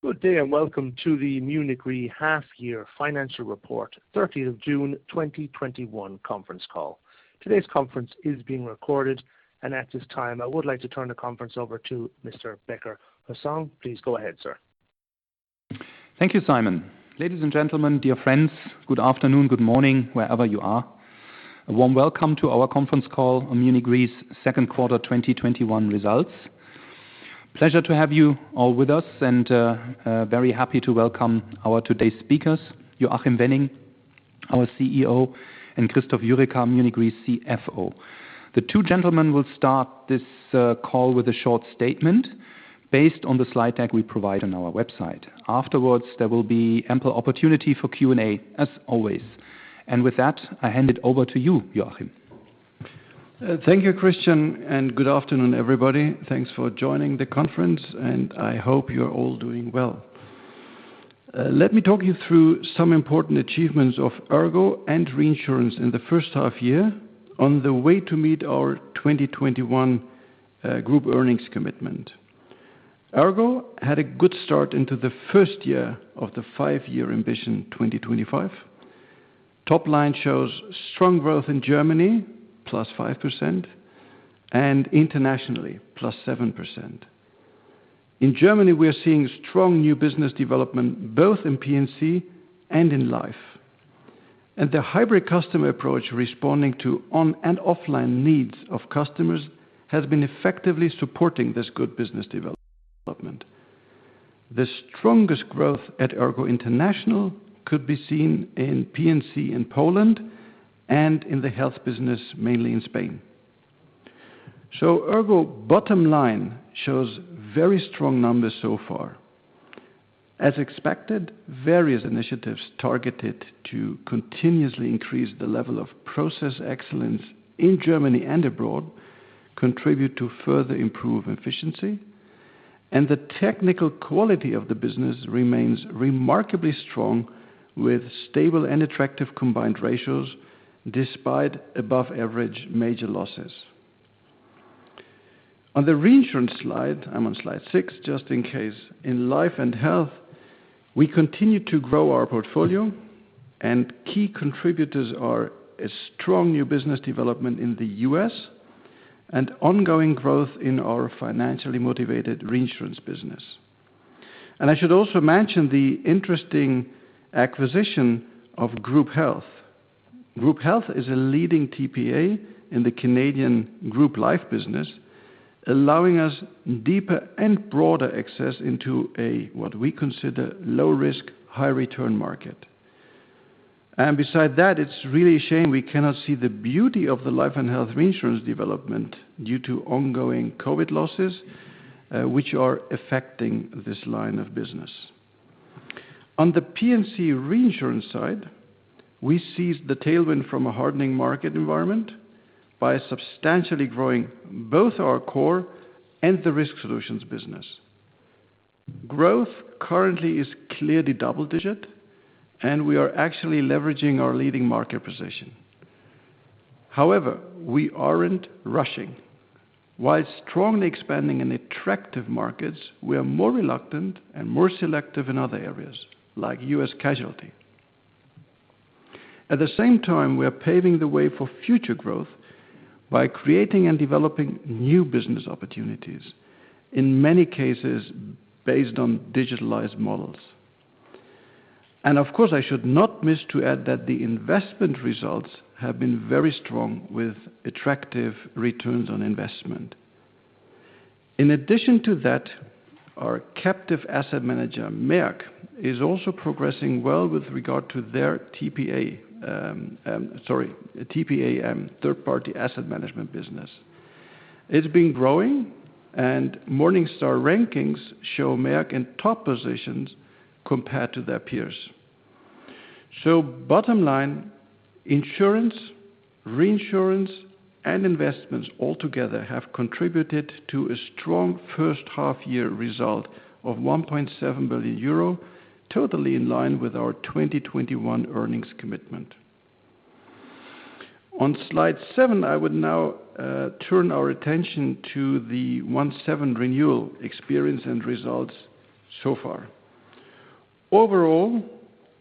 Good day, welcome to the Munich Re half-year financial report, 30th of June 2021 conference call. Today's conference is being recorded, and at this time, I would like to turn the conference over to Mr. Becker-Hussong, please go ahead, sir. Thank you, Simon. Ladies and gentlemen, dear friends, good afternoon, good morning, wherever you are. A warm welcome to our conference call on Munich Re's second quarter 2021 results. Pleasure to have you all with us, and very happy to welcome our today's speakers, Joachim Wenning, our CEO, and Christoph Jurecka, Munich Re CFO. The two gentlemen will start this call with a short statement based on the slide deck we provide on our website. Afterwards, there will be ample opportunity for Q&A as always. With that, I hand it over to you, Joachim. Thank you, Christian. Good afternoon, everybody. Thanks for joining the conference, and I hope you're all doing well. Let me talk you through some important achievements of ERGO and Reinsurance in the first half year on the way to meet our 2021 group earnings commitment. ERGO had a good start into the first year of the five-year Ambition 2025. Top line shows strong growth in Germany, +5%, and internationally, +7%. In Germany, we're seeing strong new business development both in P&C and in Life. The hybrid customer approach responding to on-and-offline needs of customers has been effectively supporting this good business development. The strongest growth at ERGO International could be seen in P&C in Poland and in the health business, mainly in Spain. ERGO bottom line shows very strong numbers so far. As expected, various initiatives targeted to continuously increase the level of process excellence in Germany and abroad contribute to further improve efficiency, the technical quality of the business remains remarkably strong with stable and attractive combined ratios despite above-average major losses. On the Reinsurance slide, I'm on slide six, just in case. In Life and Health, we continue to grow our portfolio, key contributors are a strong new business development in the U.S. and ongoing growth in our financially motivated Reinsurance business. I should also mention the interesting acquisition of GroupHEALTH. GroupHEALTH is a leading TPA in the Canadian group life business, allowing us deeper and broader access into a, what we consider, low risk, high return market. Besides that, it's really a shame we cannot see the beauty of the Life and Health Reinsurance development due to ongoing COVID losses, which are affecting this line of business. On the P&C Reinsurance side, we seized the tailwind from a hardening market environment by substantially growing both our core and the Risk Solutions business. Growth currently is clearly double-digit, we are actually leveraging our leading market position. However, we aren't rushing. While strongly expanding in attractive markets, we are more reluctant and more selective in other areas, like U.S. casualty. At the same time, we are paving the way for future growth by creating and developing new business opportunities, in many cases based on digitalized models. Of course, I should not miss to add that the investment results have been very strong with attractive returns on investment. In addition to that, our captive asset manager, MEAG, is also progressing well with regard to their TPAM, third-party asset management business. It's been growing. Morningstar rankings show MEAG in top positions compared to their peers. Bottom line, insurance, reinsurance, and investments altogether have contributed to a strong first half-year result of 1.7 billion euro, totally in line with our 2021 earnings commitment. On slide seven, I would now turn our attention to the 1/7 renewal experience and results so far. Overall,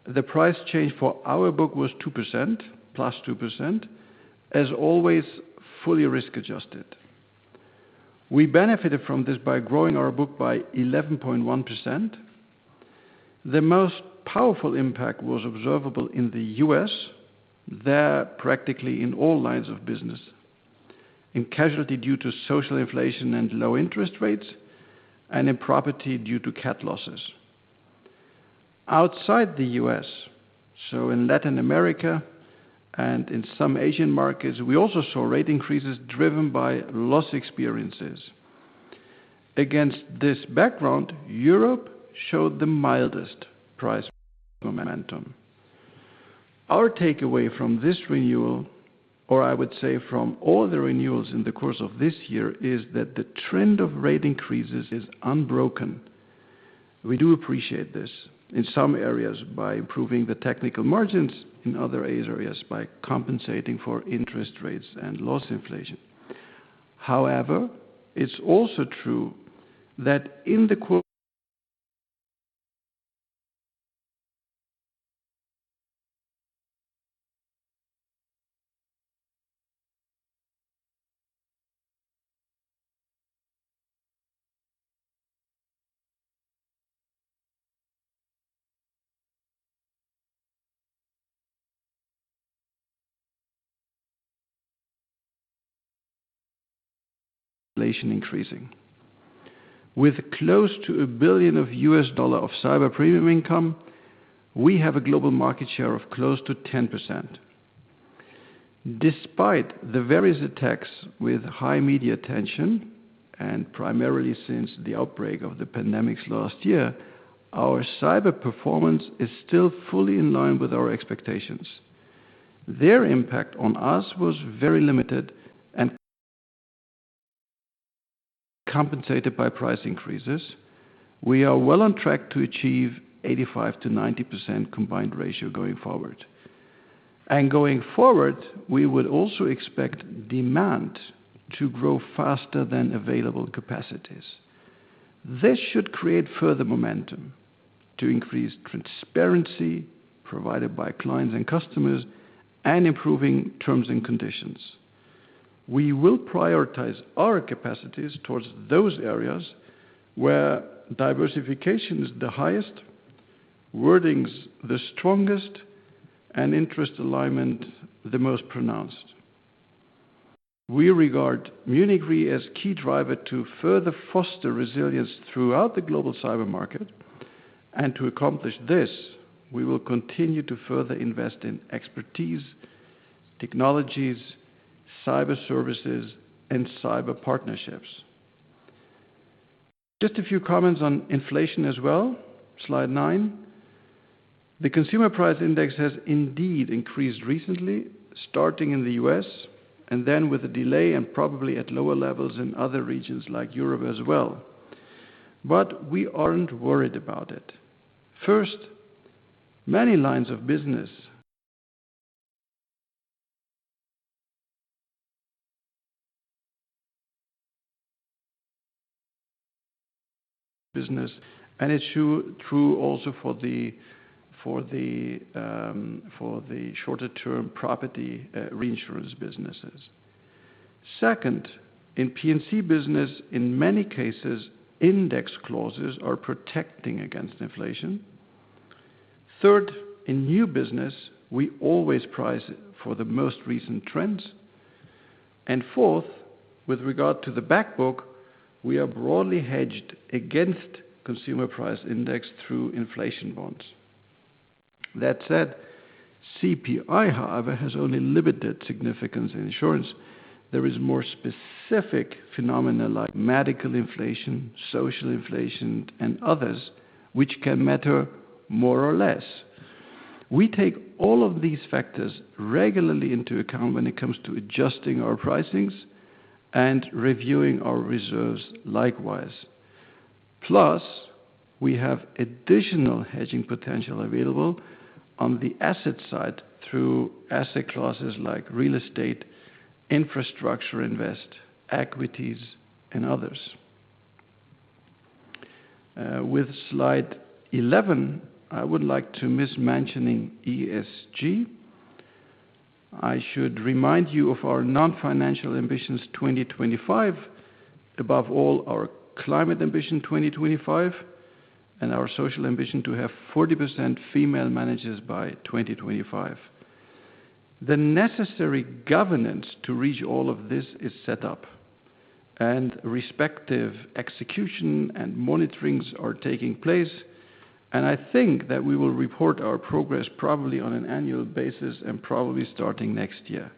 the price change for our book was 2%, +2%, as always, fully risk-adjusted. We benefited from this by growing our book by 11.1%. The most powerful impact was observable in the U.S., there practically in all lines of business. In casualty due to social inflation and low interest rates, and in property due to cat losses. Outside the U.S., so in Latin America and in some Asian markets, we also saw rate increases driven by loss experiences. Against this background, Europe showed the mildest price momentum. Our takeaway from this renewal, or I would say from all the renewals in the course of this year, is that the trend of rate increases is unbroken. We do appreciate this in some areas by improving the technical margins in other areas by compensating for interest rates and loss inflation. It's also true that in the inflation increasing. With close to $1 billion of U.S. dollar of cyber premium income, we have a global market share of close to 10%. Despite the various attacks with high media attention, and primarily since the outbreak of the pandemics last year, our cyber performance is still fully in line with our expectations. Their impact on us was very limited and compensated by price increases. We are well on track to achieve 85%-90% combined ratio going forward. Going forward, we would also expect demand to grow faster than available capacities. This should create further momentum to increase transparency provided by clients and customers and improving terms and conditions. We will prioritize our capacities towards those areas where diversification is the highest, wording's the strongest, and interest alignment the most pronounced. We regard Munich Re as key driver to further foster resilience throughout the global cyber market. To accomplish this, we will continue to further invest in expertise, technologies, cyber services, and cyber partnerships. Just a few comments on inflation as well. Slide nine. The Consumer Price Index has indeed increased recently, starting in the U.S., and then with a delay and probably at lower levels in other regions like Europe as well. We aren't worried about it. First, many lines of business, and it's true also for the shorter-term property reinsurance businesses. Second, in P&C business, in many cases, index clauses are protecting against inflation. Third, in new business, we always price it for the most recent trends. Fourth, with regard to the back book, we are broadly hedged against Consumer Price Index through inflation bonds. That said, CPI, however, has only limited significance in insurance. There is more specific phenomena like medical inflation, social inflation, and others, which can matter more or less. We take all of these factors regularly into account when it comes to adjusting our pricings and reviewing our reserves likewise. We have additional hedging potential available on the asset side through asset classes like real estate, infrastructure invest, equities, and others. With slide 11, I would like to miss mentioning ESG. I should remind you of our non-financial Ambition 2025. Above all, our Climate Ambition 2025 and our social ambition to have 40% female managers by 2025. The necessary governance to reach all of this is set up, and respective execution and monitorings are taking place. I think that we will report our progress probably on an annual basis and probably starting next year.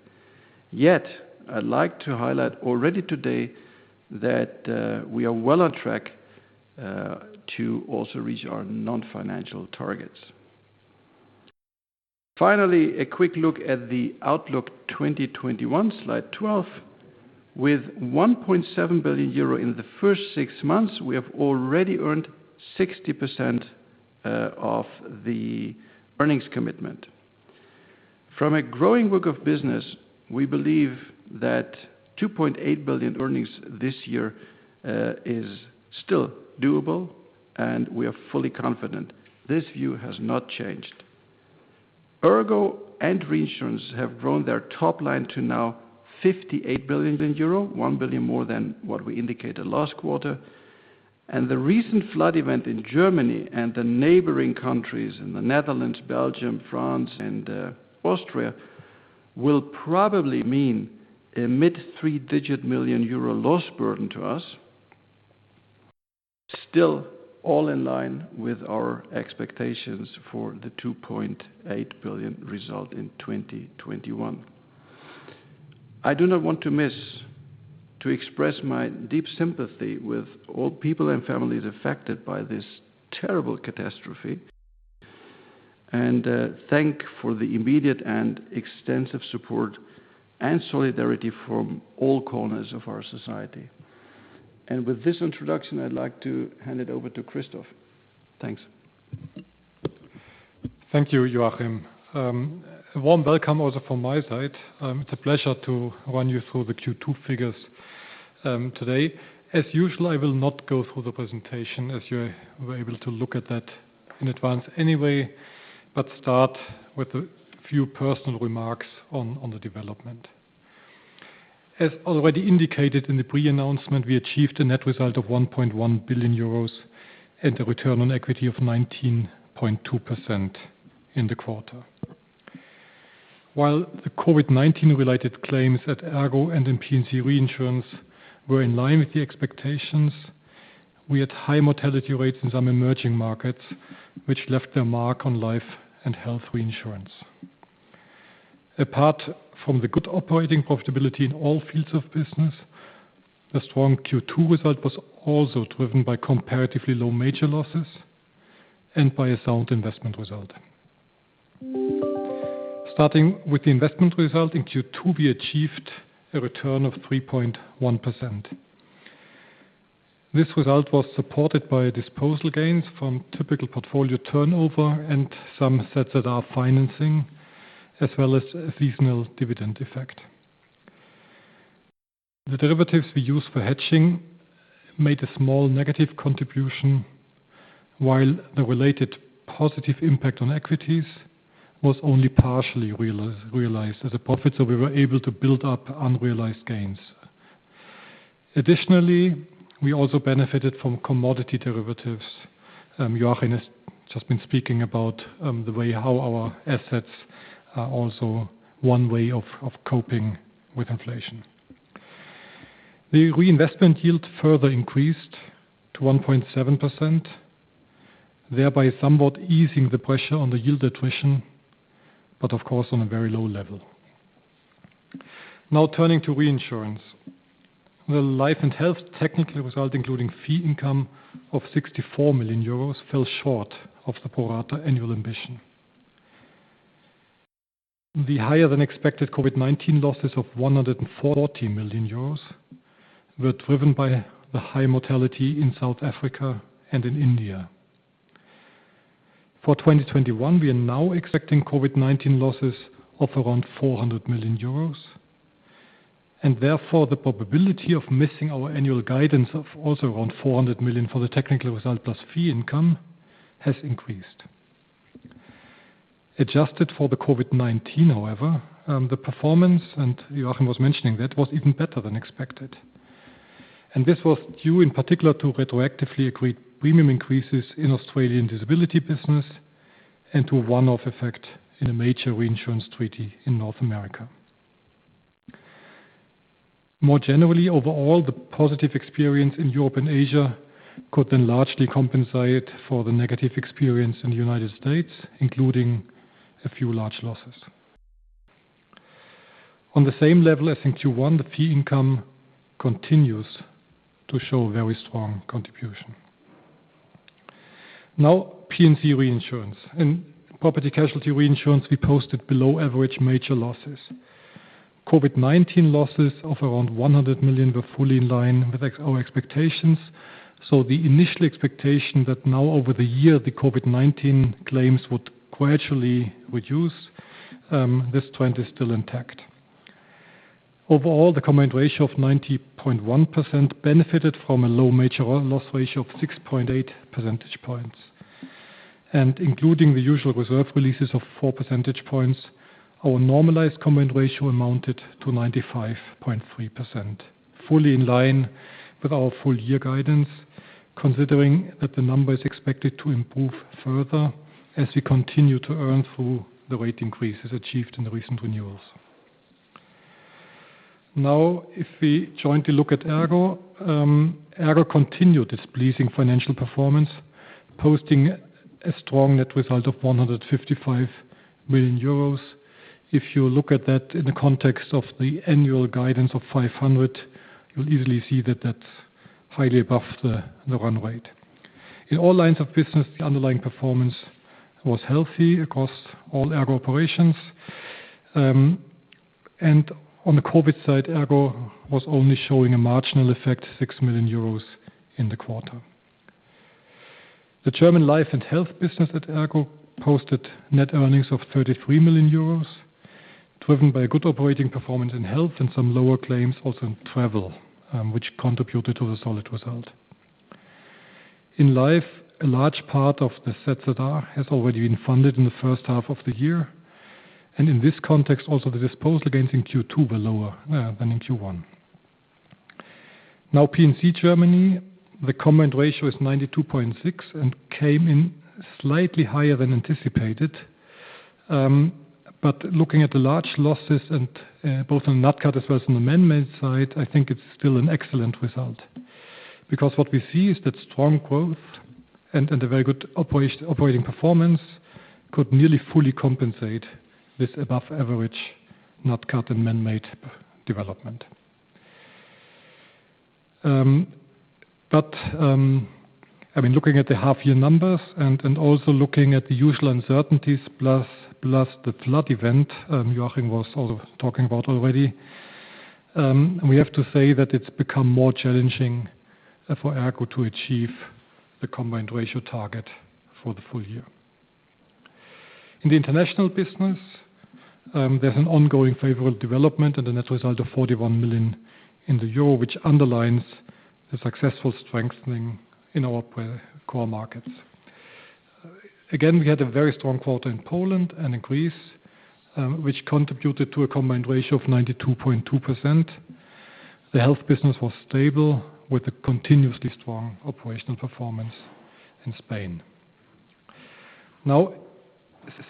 I'd like to highlight already today that we are well on track to also reach our non-financial targets. Finally, a quick look at the outlook 2021, slide 12. With 1.7 billion euro in the first six months, we have already earned 60% of the earnings commitment. From a growing book of business, we believe that 2.8 billion earnings this year is still doable. We are fully confident. This view has not changed. ERGO and Reinsurance have grown their top line to now 58 billion euro, euro 1 billion more than what we indicated last quarter. The recent flood event in Germany and the neighboring countries in the Netherlands, Belgium, France, and Austria will probably mean a mid-three-digit million EUR loss burden to us. Still all in line with our expectations for the 2.8 billion result in 2021. I do not want to miss to express my deep sympathy with all people and families affected by this terrible catastrophe, and thank for the immediate and extensive support and solidarity from all corners of our society. With this introduction, I'd like to hand it over to Christoph. Thanks. Thank you, Joachim. A warm welcome also from my side. It's a pleasure to run you through the Q2 figures today. As usual, I will not go through the presentation as you were able to look at that in advance anyway, but start with a few personal remarks on the development. As already indicated in the pre-announcement, we achieved a net result of 1.1 billion euros and a return on equity of 19.2% in the quarter. While the COVID-19 related claims at ERGO and in P&C Reinsurance were in line with the expectations, we had high mortality rates in some emerging markets, which left their mark on Life and Health Reinsurance. Apart from the good operating profitability in all fields of business, a strong Q2 result was also driven by comparatively low major losses and by a sound investment result. Starting with the investment result, in Q2, we achieved a return of 3.1%. This result was supported by disposal gains from typical portfolio turnover and some sets that are financing, as well as a seasonal dividend effect. The derivatives we use for hedging made a small negative contribution, while the related positive impact on equities was only partially realized as a profit, so we were able to build up unrealized gains. Additionally, we also benefited from commodity derivatives. Joachim has just been speaking about the way how our assets are also one way of coping with inflation. The reinvestment yield further increased to 1.7%, thereby somewhat easing the pressure on the yield attrition, but of course, on a very low level. Now turning to Reinsurance. The Life and Health technical result, including fee income of 64 million euros, fell short of the pro-rata annual ambition. The higher-than-expected COVID-19 losses of 140 million euros were driven by the high mortality in South Africa and in India. For 2021, we are now expecting COVID-19 losses of around 400 million euros. Therefore, the probability of missing our annual guidance of also around 400 million for the technical result plus fee income has increased. Adjusted for the COVID-19, however, the performance, and Joachim was mentioning that, was even better than expected. This was due in particular to retroactively agreed premium increases in Australian disability business and to a one-off effect in a major reinsurance treaty in North America. More generally, overall, the positive experience in Europe and Asia could then largely compensate for the negative experience in the United States, including a few large losses. On the same level as in Q1, the fee income continues to show very strong contribution. Now, P&C Reinsurance. In Property & Casualty Reinsurance, we posted below-average major losses. COVID-19 losses of around 100 million were fully in line with our expectations. The initial expectation that now over the year, the COVID-19 claims would gradually reduce, this trend is still intact. Overall, the combined ratio of 90.1% benefited from a low major loss ratio of 6.8 percentage points. Including the usual reserve releases of 4 percentage points, our normalized combined ratio amounted to 95.3%, fully in line with our full year guidance, considering that the number is expected to improve further as we continue to earn through the rate increases achieved in the recent renewals. Now, if we jointly look at ERGO. ERGO continued its pleasing financial performance, posting a strong net result of 155 million euros. If you look at that in the context of the annual guidance of 500, you'll easily see that that's highly above the run rate. In all lines of business, the underlying performance was healthy across all ERGO operations. On the COVID side, ERGO was only showing a marginal effect, 6 million euros in the quarter. The German Life and Health business at ERGO posted net earnings of 33 million euros, driven by a good operating performance in health and some lower claims also in travel, which contributed to the solid result. In life, a large part of the ZZR has already been funded in the first half of the year, in this context, also the disposal gains in Q2 were lower than in Q1. Now, P&C Germany, the combined ratio is 92.6% and came in slightly higher than anticipated. Looking at the large losses and both on NatCat as well as on the man-made side, I think it's still an excellent result. What we see is that strong growth and a very good operating performance could nearly fully compensate this above-average NatCat and man-made development. Looking at the half-year numbers and also looking at the usual uncertainties plus the flood event Joachim was talking about already. We have to say that it's become more challenging for ERGO to achieve the combined ratio target for the full year. In the international business, there's an ongoing favorable development and a net result of 41 million, which underlines the successful strengthening in our core markets. Again, we had a very strong quarter in Poland and in Greece, which contributed to a combined ratio of 92.2%. The Health business was stable, with a continuously strong operational performance in Spain.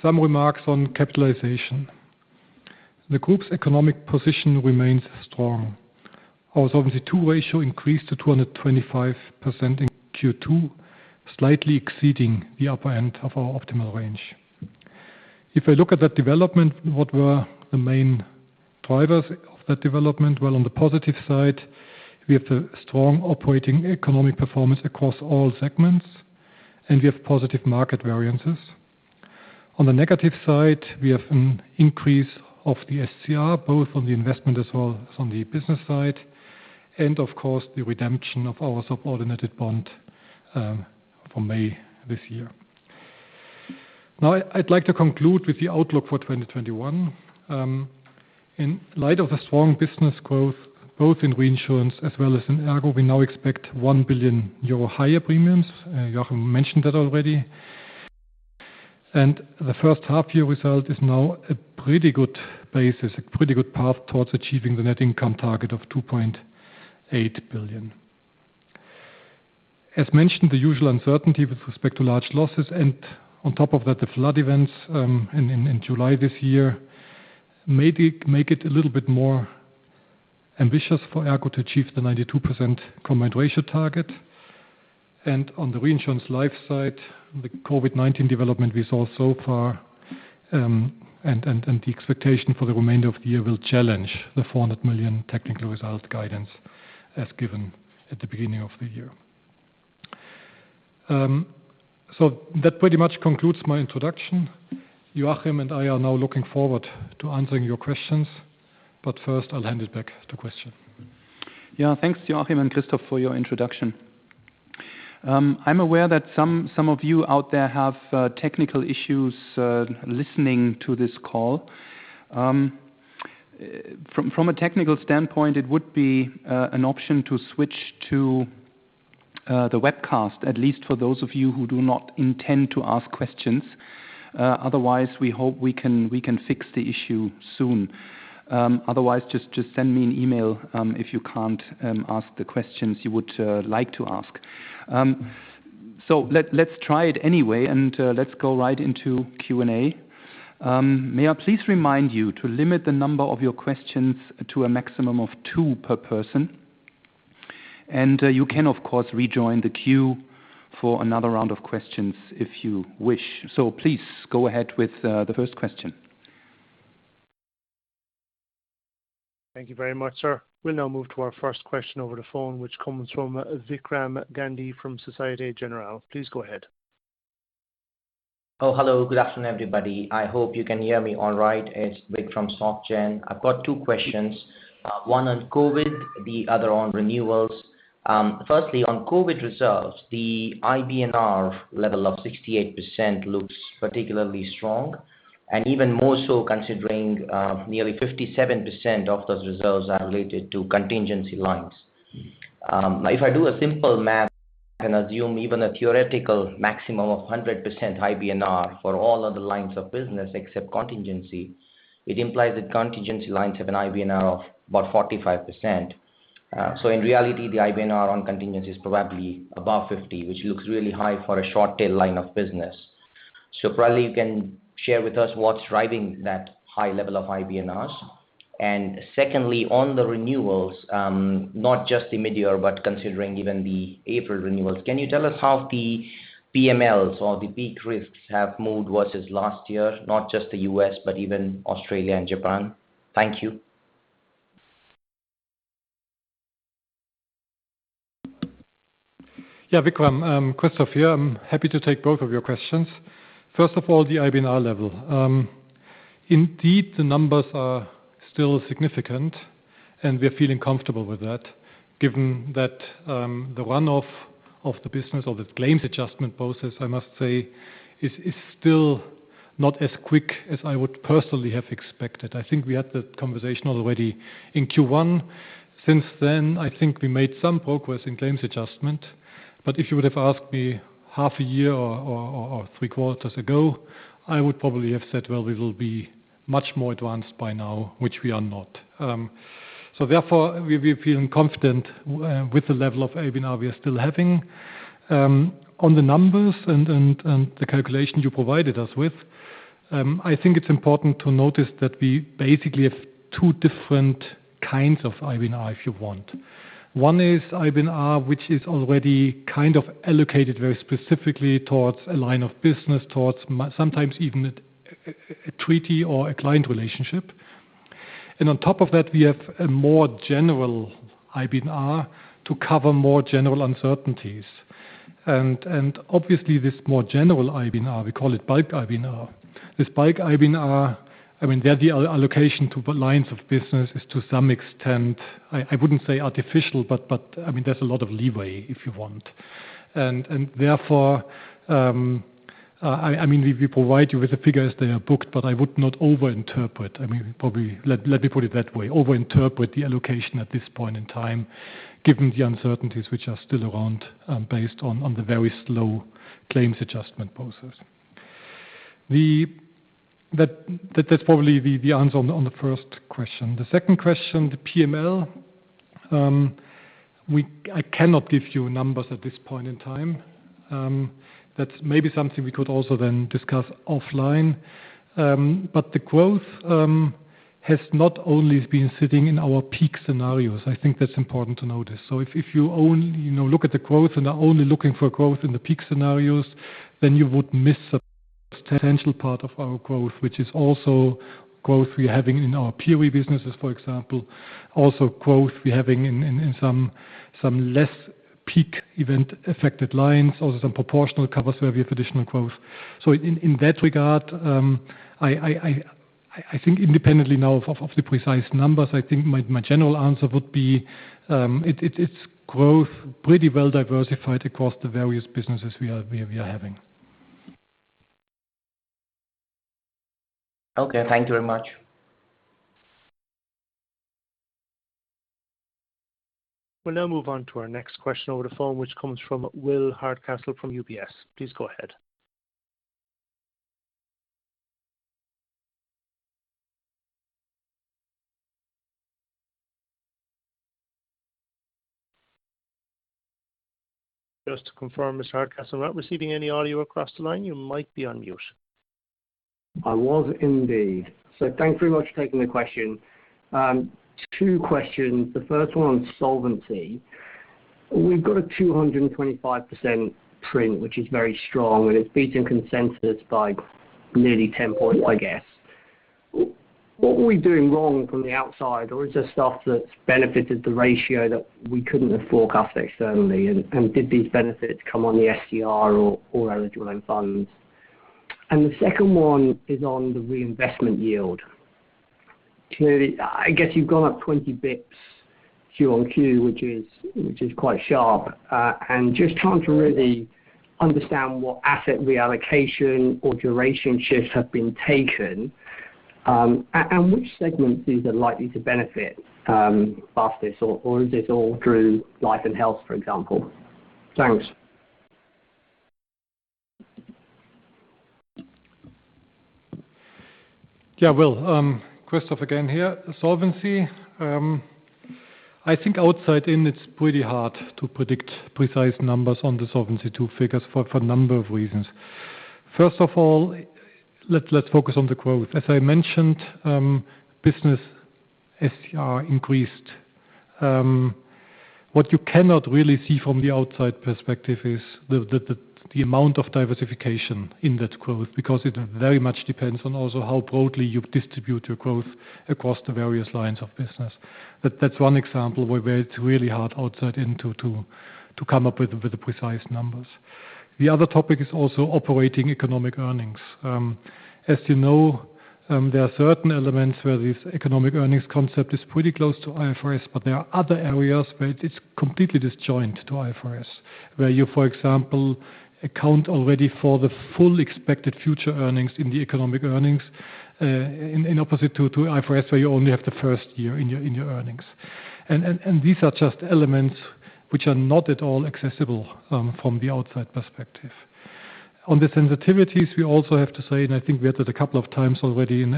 Some remarks on capitalization. The group's economic position remains strong. Our Solvency II ratio increased to 225% in Q2, slightly exceeding the upper end of our optimal range. If I look at that development, what were the main drivers of that development? On the positive side, we have a strong operating economic performance across all segments, and we have positive market variances. On the negative side, we have an increase of the SCR, both on the investment as well as on the business side. Of course, the redemption of our subordinated bond from May this year. I'd like to conclude with the outlook for 2021. In light of the strong business growth, both in Reinsurance as well as in ERGO, we now expect 1 billion euro higher premiums. Joachim mentioned that already. The first half-year result is now a pretty good basis, a pretty good path towards achieving the net income target of 2.8 billion. As mentioned, the usual uncertainty with respect to large losses, and on top of that, the flood events in July this year, make it a little bit more ambitious for ERGO to achieve the 92% combined ratio target. On the Reinsurance life side, the COVID-19 development we saw so far, and the expectation for the remainder of the year will challenge the 400 million technical result guidance as given at the beginning of the year. That pretty much concludes my introduction. Joachim and I are now looking forward to answering your questions, but first I'll hand it back to Christian. Yeah, thanks, Joachim and Christoph for your introduction. I'm aware that some of you out there have technical issues listening to this call. From a technical standpoint, it would be an option to switch to the webcast, at least for those of you who do not intend to ask questions. Otherwise, we hope we can fix the issue soon. Otherwise, just send me an email, if you can't ask the questions you would like to ask. Let's try it anyway, and let's go right into Q&A. May I please remind you to limit the number of your questions to a maximum of two per person. You can, of course, rejoin the queue for another round of questions if you wish. Please, go ahead with the first question. Thank you very much, sir. We'll now move to our first question over the phone, which comes from Vikram Gandhi from Societe Generale. Please go ahead. Oh, hello. Good afternoon, everybody. I hope you can hear me all right. It is Vik from Soc Gen. I have got two questions. One on COVID, the other on renewals. Firstly, on COVID reserves, the IBNR level of 68% looks particularly strong, and even more so considering nearly 57% of those reserves are related to contingency lines. If I do a simple math and assume even a theoretical maximum of 100% IBNR for all other lines of business except contingency, it implies that contingency lines have an IBNR of about 45%. In reality, the IBNR on contingency is probably above 50%, which looks really high for a short tail line of business. Probably you can share with us what is driving that high level of IBNRs. Secondly, on the renewals, not just the mid-year, but considering even the April renewals, can you tell us how the PMLs or the peak risks have moved versus last year, not just the U.S., but even Australia and Japan? Thank you. Vikram. Christoph here. I am happy to take both of your questions. First of all, the IBNR level. Indeed, the numbers are still significant, and we are feeling comfortable with that, given that the run-off of the business or the claims adjustment process, I must say, is still not as quick as I would personally have expected. I think we had that conversation already in Q1. Since then, I think we made some progress in claims adjustment. If you would have asked me half a year or three quarters ago, I would probably have said, "Well, we will be much more advanced by now," which we are not. Therefore, we are feeling confident with the level of IBNR we are still having. On the numbers and the calculation you provided us with, I think it's important to notice that we basically have two different kinds of IBNR, if you want. One is IBNR, which is already kind of allocated very specifically towards a line of business, towards sometimes even a treaty or a client relationship. On top of that, we have a more general IBNR to cover more general uncertainties. Obviously, this more general IBNR, we call it bulk IBNR. This bulk IBNR, there the allocation to lines of business is to some extent, I wouldn't say artificial, but there's a lot of leeway if you want. Therefore, we provide you with the figures they are booked, but I would not over-interpret. Probably, let me put it that way. Over-interpret the allocation at this point in time, given the uncertainties which are still around, based on the very slow claims adjustment process. That's probably the answer on the first question. The second question, the PML. I cannot give you numbers at this point in time. That's maybe something we could also then discuss offline. The growth has not only been sitting in our peak scenarios. I think that's important to notice. If you only look at the growth and are only looking for growth in the peak scenarios, then you would miss a potential part of our growth, which is also growth we're having in our few businesses, for example. Also growth we're having in some less peak event-affected lines, also some proportional cover, so we have additional growth. In that regard, I think independently now of the precise numbers, I think my general answer would be, it's growth pretty well diversified across the various businesses we are having. Okay. Thank you very much. We'll now move on to our next question over the phone, which comes from Will Hardcastle from UBS. Please go ahead. Just to confirm, Mr. Hardcastle, I'm not receiving any audio across the line. You might be on mute. I was indeed. Thank you very much for taking the question. Two questions. The first one on solvency. We've got a 225% print, which is very strong, and it's beating consensus by nearly 10 points, I guess. What were we doing wrong from the outside? Is there stuff that's benefited the ratio that we couldn't have forecasted externally? Did these benefits come on the SCR or eligible own funds? The second one is on the reinvestment yield. Clearly, I guess you've gone up 20 basis points QoQ, which is quite sharp. Just trying to really understand what asset reallocation or duration shifts have been taken. Which segments these are likely to benefit off this, or is this all through Life and Health, for example? Thanks. Yeah, Will. Christoph again here. Solvency. I think outside in, it's pretty hard to predict precise numbers on the Solvency II figures for a number of reasons. First of all, let's focus on the growth. As I mentioned, business SCR increased. What you cannot really see from the outside perspective is the amount of diversification in that growth, because it very much depends on also how broadly you distribute your growth across the various lines of business. That's one example where it's really hard outside in to come up with the precise numbers. The other topic is also operating economic earnings. As you know, there are certain elements where this economic earnings concept is pretty close to IFRS, but there are other areas where it's completely disjoint to IFRS. Where you, for example, account already for the full expected future earnings in the economic earnings, in opposite to IFRS, where you only have the first year in your earnings. These are just elements which are not at all accessible from the outside perspective. On the sensitivities, we also have to say, and I think we had it a couple of times already in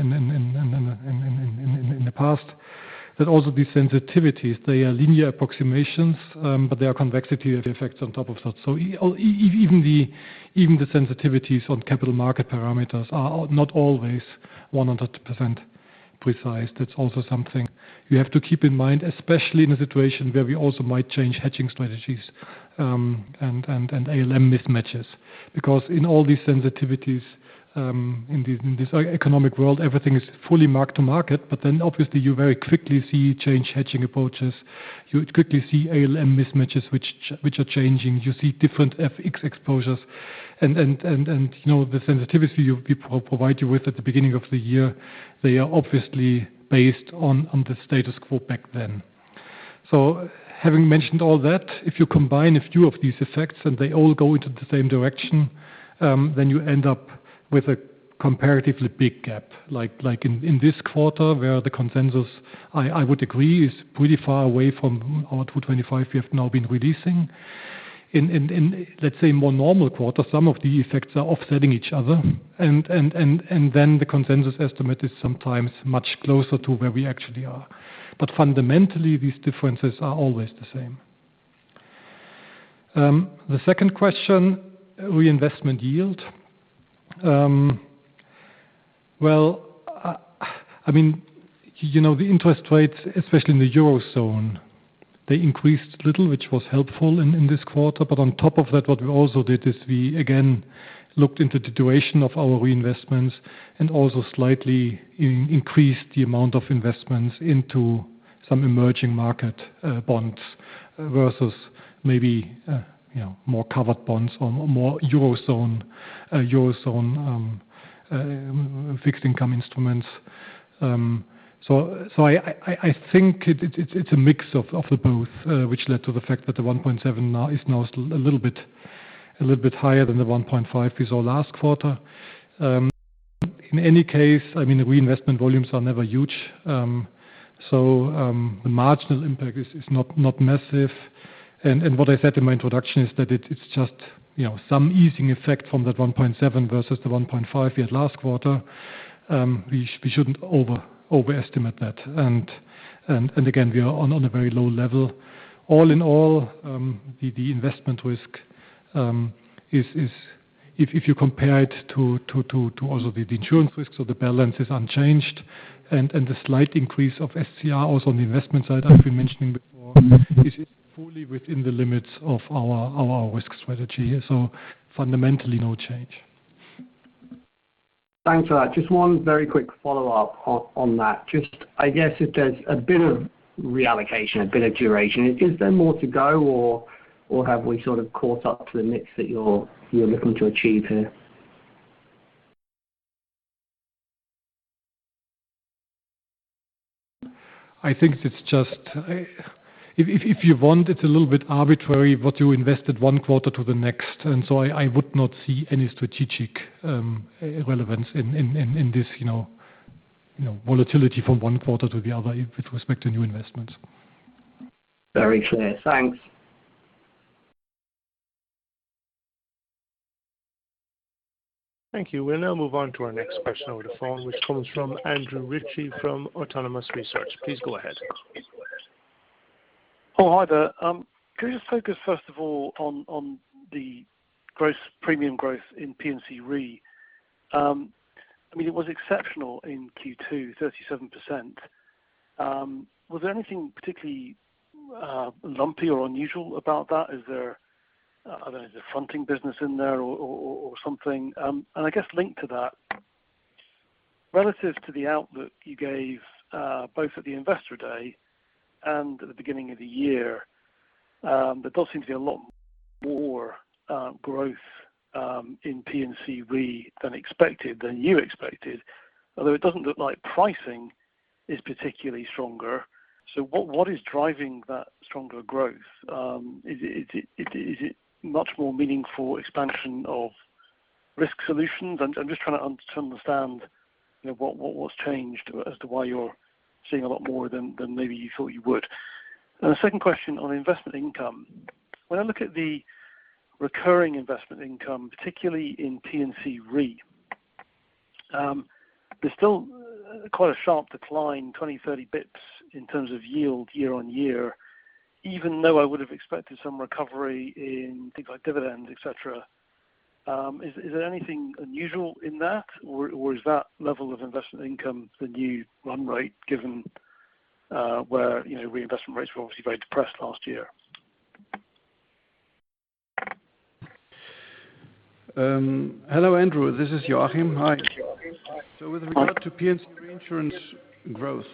the past, that also these sensitivities, they are linear approximations, but they are convexity effects on top of that. Even the sensitivities on capital market parameters are not always 100% precise. That's also something you have to keep in mind, especially in a situation where we also might change hedging strategies and ALM mismatches. In all these sensitivities, in this economic world, everything is fully marked to market, but then obviously you very quickly see change hedging approaches. You quickly see ALM mismatches, which are changing. You see different FX exposures. The sensitivity we provide you with at the beginning of the year, they are obviously based on the status quo back then. Having mentioned all that, if you combine a few of these effects and they all go into the same direction, then you end up with a comparatively big gap. Like in this quarter, where the consensus, I would agree, is pretty far away from our 225 million we have now been releasing. In, let's say, more normal quarters, some of the effects are offsetting each other, and then the consensus estimate is sometimes much closer to where we actually are. Fundamentally, these differences are always the same. The second question, reinvestment yield. The interest rates, especially in the Eurozone, they increased little, which was helpful in this quarter. On top of that, what we also did is we again looked into the duration of our reinvestments and also slightly increased the amount of investments into emerging market bonds versus maybe more covered bonds or more Eurozone fixed income instruments. I think it's a mix of the both, which led to the fact that the 1.7 now is now a little bit higher than the 1.5 we saw last quarter. In any case, the reinvestment volumes are never huge. The marginal impact is not massive. What I said in my introduction is that it's just some easing effect from that 1.7 versus the 1.5 we had last quarter. We shouldn't overestimate that. Again, we are on a very low level. All in all, the investment risk is, if you compare it to also the insurance risks or the balance is unchanged. The slight increase of SCR also on the investment side I’ve been mentioning before, is fully within the limits of our risk strategy. Fundamentally, no change. Thanks for that. Just one very quick follow-up on that. Just, I guess if there's a bit of reallocation, a bit of duration, is there more to go, or have we sort of caught up to the mix that you're looking to achieve here? I think if you want, it's a little bit arbitrary what you invest at one quarter to the next. I would not see any strategic relevance in this volatility from one quarter to the other with respect to new investments. Very clear. Thanks. Thank you. We will now move on to our next question over the phone, which comes from Andrew Ritchie from Autonomous Research. Please go ahead. Oh, hi there. Can we just focus first of all on the premium growth in P&C Re. It was exceptional in Q2, 37%. Was there anything particularly lumpy or unusual about that? Is there a fronting business in there or something? I guess linked to that, relative to the outlook you gave, both at the investor day and at the beginning of the year, there does seem to be a lot more growth in P&C Re than expected, than you expected. Although it doesn't look like pricing is particularly stronger. What is driving that stronger growth? Is it much more meaningful expansion of Risk Solutions? I'm just trying to understand what was changed as to why you're seeing a lot more than maybe you thought you would. The second question on investment income. When I look at the recurring investment income, particularly in P&C Re, there is still quite a sharp decline, 20, 30 basis points in terms of yield year-on-year, even though I would have expected some recovery in things like dividends, et cetera. Is there anything unusual in that, or is that level of investment income the new run rate given where reinvestment rates were obviously very depressed last year? Hello, Andrew. This is Joachim. Hi. With regard to P&C Reinsurance growth,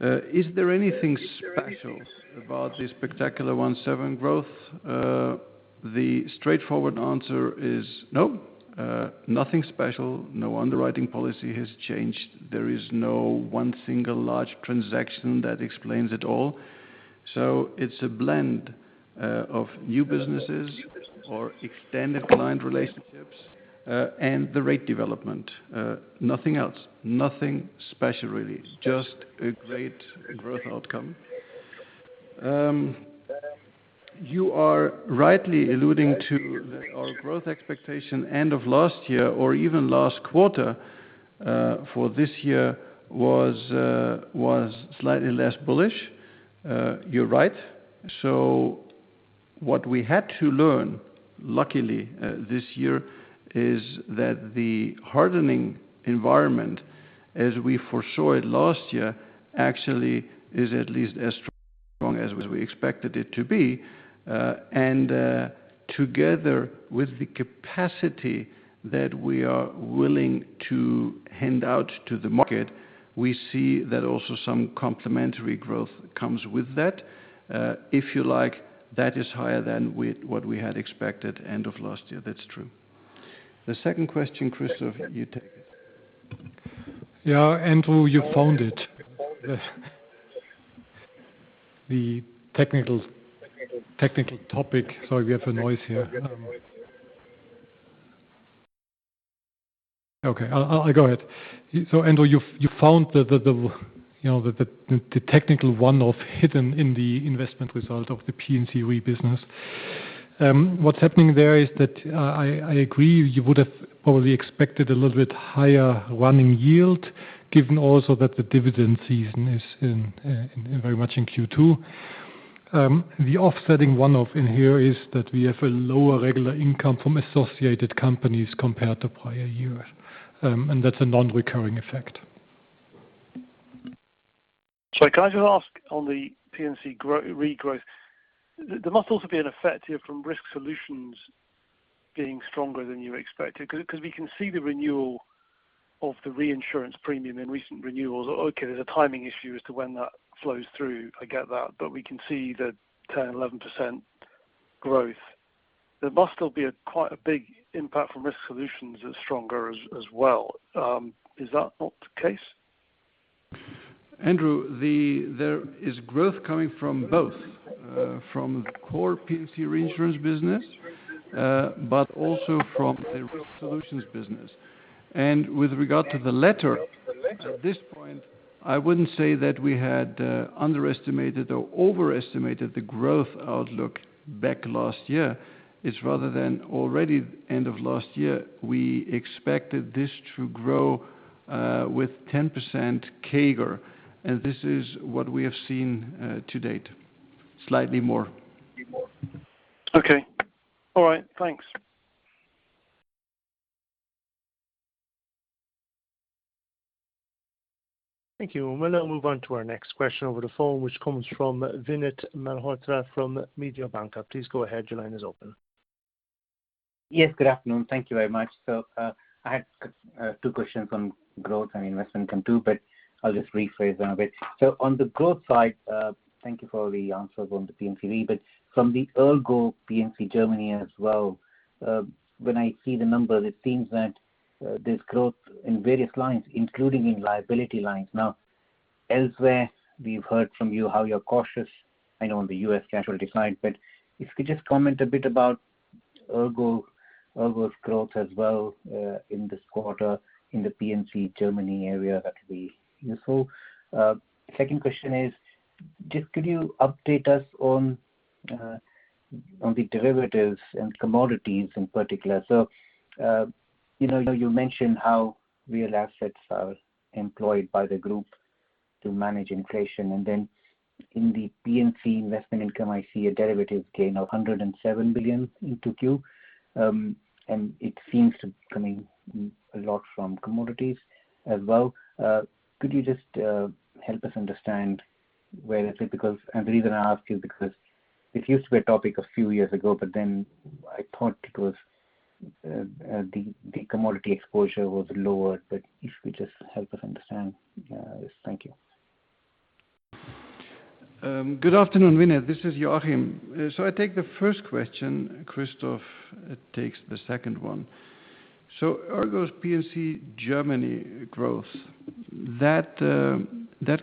is there anything special about the spectacular 1/7 growth? The straightforward answer is no. Nothing special. No underwriting policy has changed. There is no one single large transaction that explains it all. It's a blend of new businesses or extended client relationships, and the rate development. Nothing else. Nothing special, really. Just a great growth outcome. You are rightly alluding to our growth expectation end of last year or even last quarter, for this year was slightly less bullish. You're right. What we had to learn, luckily, this year is that the hardening environment, as we foresaw it last year, actually is at least as strong as we expected it to be. Together with the capacity that we are willing to hand out to the market, we see that also some complementary growth comes with that. If you like, that is higher than with what we had expected end of last year. That's true. The second question, Christoph, you take it. Yeah, Andrew, you found it. The technical topic. Sorry, we have a noise here. Okay, I'll go ahead. Andrew, you found the technical one-off hidden in the investment result of the P&C Re business. What's happening there is that I agree, you would have probably expected a little bit higher running yield, given also that the dividend season is very much in Q2. The offsetting one-off in here is that we have a lower regular income from associated companies compared to prior years. That's a non-recurring effect. Can I just ask on the P&C Re growth, there must also be an effect here from Risk Solutions being stronger than you expected, because we can see the renewal of the Reinsurance premium in recent renewals. Okay, there's a timing issue as to when that flows through. I get that. We can see the 10, 11% growth. There must still be quite a big impact from Risk Solutions as stronger as well. Is that not the case? Andrew, there is growth coming from both, from the core P&C Reinsurance business, but also from the Risk Solutions business. With regard to the latter, at this point, I wouldn't say that we had underestimated or overestimated the growth outlook back last year. It's rather that already end of last year, we expected this to grow, with 10% CAGR. This is what we have seen to date, slightly more. Okay. All right. Thanks. Thank you. We'll now move on to our next question over the phone, which comes from Vinit Malhotra from Mediobanca. Please go ahead. Your line is open. Yes, good afternoon. Thank you very much. I had two questions on growth and investment income too, but I'll just rephrase them a bit. On the growth side, thank you for all the answers on the P&C. From the ERGO P&C Germany as well, when I see the numbers, it seems that there's growth in various lines, including in liability lines. Elsewhere, we've heard from you how you're cautious and on the U.S. casualty side. If you could just comment a bit about ERGO's growth as well in this quarter in the P&C Germany area, that would be useful. Second question is, just could you update us on the derivatives and commodities in particular? You mentioned how real assets are employed by the group to manage inflation, and then in the P&C investment income, I see a derivative gain of 107 billion in 2Q. It seems to be coming a lot from commodities as well. Could you just help us understand where is it? The reason I ask you, because it used to be a topic a few years ago, but then I thought the commodity exposure was lower. If you could just help us understand. Thank you. Good afternoon, Vinit. This is Joachim. I take the first question, Christoph takes the second one. ERGO's P&C Germany growth. That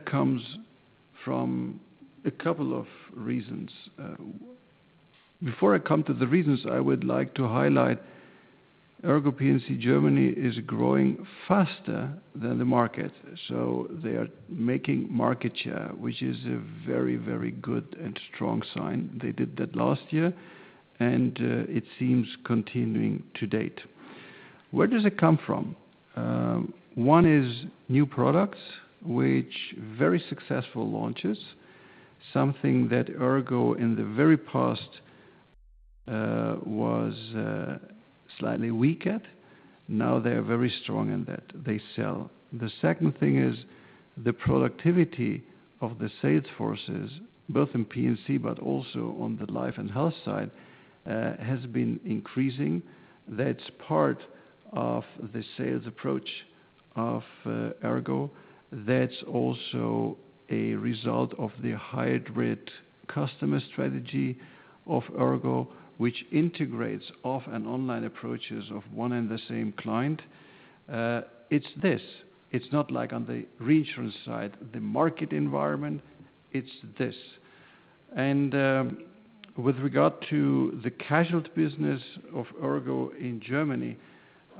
comes from a couple of reasons. Before I come to the reasons I would like to highlight, ERGO P&C Germany is growing faster than the market. They are making market share, which is a very, very good and strong sign. They did that last year and it seems continuing to date. Where does it come from? One is new products, which very successful launches, something that ERGO in the very past was slightly weak at. Now they're very strong in that they sell. The second thing is the productivity of the sales forces, both in P&C, but also on the Life and Health side, has been increasing. That's part of the sales approach of ERGO. That's also a result of the hybrid customer strategy of ERGO, which integrates off and online approaches of one and the same client. It's this. It's not like on the Reinsurance side, the market environment, it's this. With regard to the casualty business of ERGO in Germany,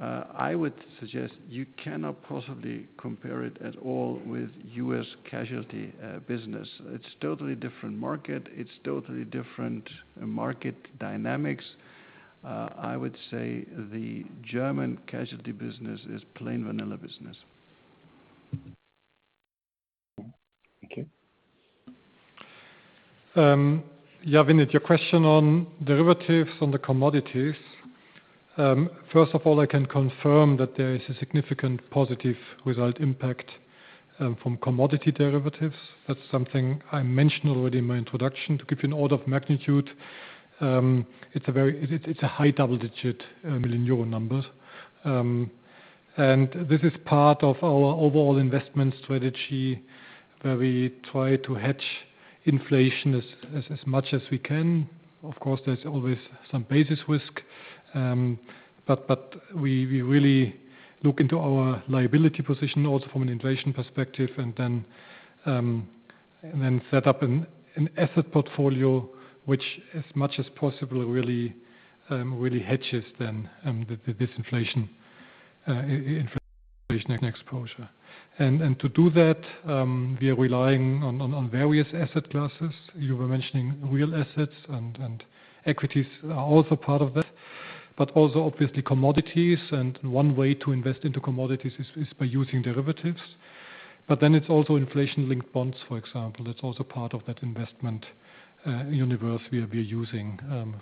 I would suggest you cannot possibly compare it at all with U.S. casualty business. It's totally different market. It's totally different market dynamics. I would say the German casualty business is plain vanilla business. Okay. Thank you. Vinit, your question on derivatives on the commodities. First of all, I can confirm that there is a significant positive result impact from commodity derivatives. That's something I mentioned already in my introduction. To give you an order of magnitude, it's a high double-digit million euro numbers. This is part of our overall investment strategy where we try to hedge inflation as much as we can. Of course, there's always some basis risk. We really look into our liability position also from an inflation perspective and then set up an asset portfolio which as much as possible really hedges then this inflation exposure. To do that, we are relying on various asset classes. You were mentioning real assets and equities are also part of that, but also obviously commodities. One way to invest into commodities is by using derivatives. It's also inflation-linked bonds, for example. That's also part of that investment universe we are using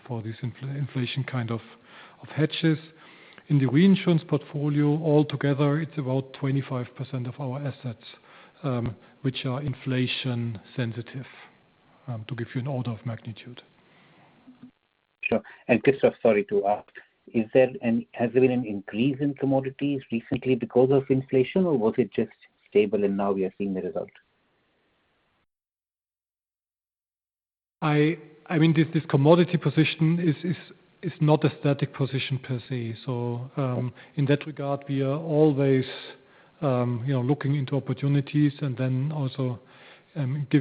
for these inflation kind of hedges. In the Reinsurance portfolio altogether, it's about 25% of our assets, which are inflation sensitive. To give you an order of magnitude. Christoph, sorry to ask, has there been an increase in commodities recently because of inflation, or was it just stable and now we are seeing the result? This commodity position is not a static position per se. In that regard, we are always looking into opportunities and then also,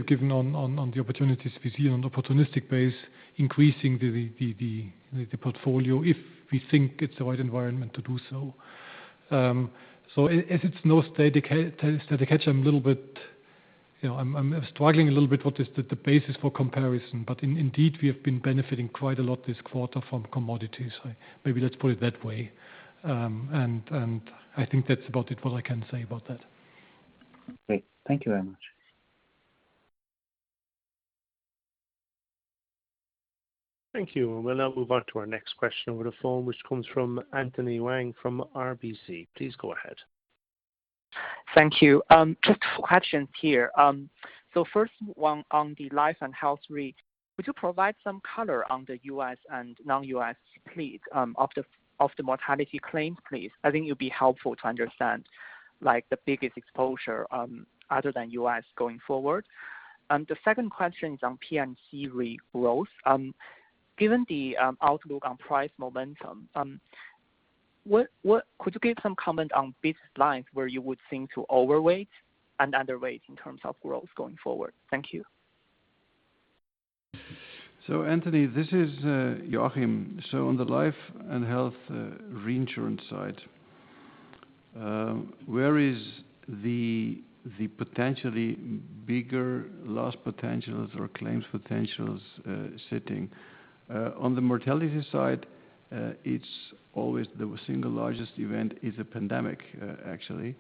given on the opportunities we see on an opportunistic base, increasing the portfolio if we think it's the right environment to do so. As it's no static hedge, I'm struggling a little bit what is the basis for comparison. Indeed, we have been benefiting quite a lot this quarter from commodities. Maybe let's put it that way. I think that's about it, what I can say about that. Great. Thank you very much. Thank you. We'll now move on to our next question over the phone, which comes from Anthony Wang from RBC. Please go ahead. Thank you. Questions here. First one on the Life and Health Re. Could you provide some color on the U.S. and non-U.S. splits of the mortality claims, please? I think it'd be helpful to understand the biggest exposure, other than U.S., going forward. The second question is on P&C Re growth. Given the outlook on price momentum, could you give some comment on business lines where you would think to overweight and underweight in terms of growth going forward? Thank you. Anthony, this is Joachim. On the Life and Health Reinsurance side, where is the potentially bigger loss potentials or claims potentials sitting? On the mortality side, it's always the single largest event is a pandemic, actually.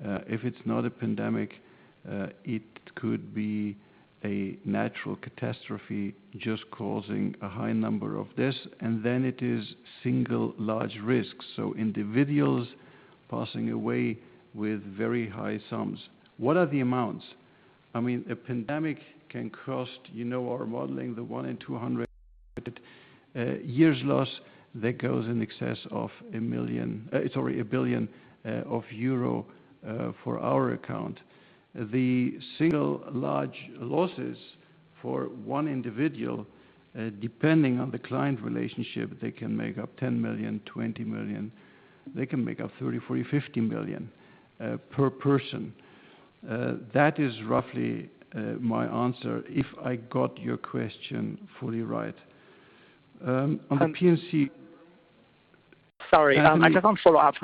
If it's not a pandemic, it could be a natural catastrophe just causing a high number of deaths, and then it is single large risks. Individuals passing away with very high sums. What are the amounts? A pandemic can cost, you know our modeling, the one in 200 years loss. That goes in excess of EUR 1 billion for our account. The single large losses for one individual, depending on the client relationship, they can make up 10 million, 20 million. They can make up 30 million, 40 million, 50 million per person. That is roughly my answer, if I got your question fully right. On the P&C- Sorry. Anthony- Just a follow-up.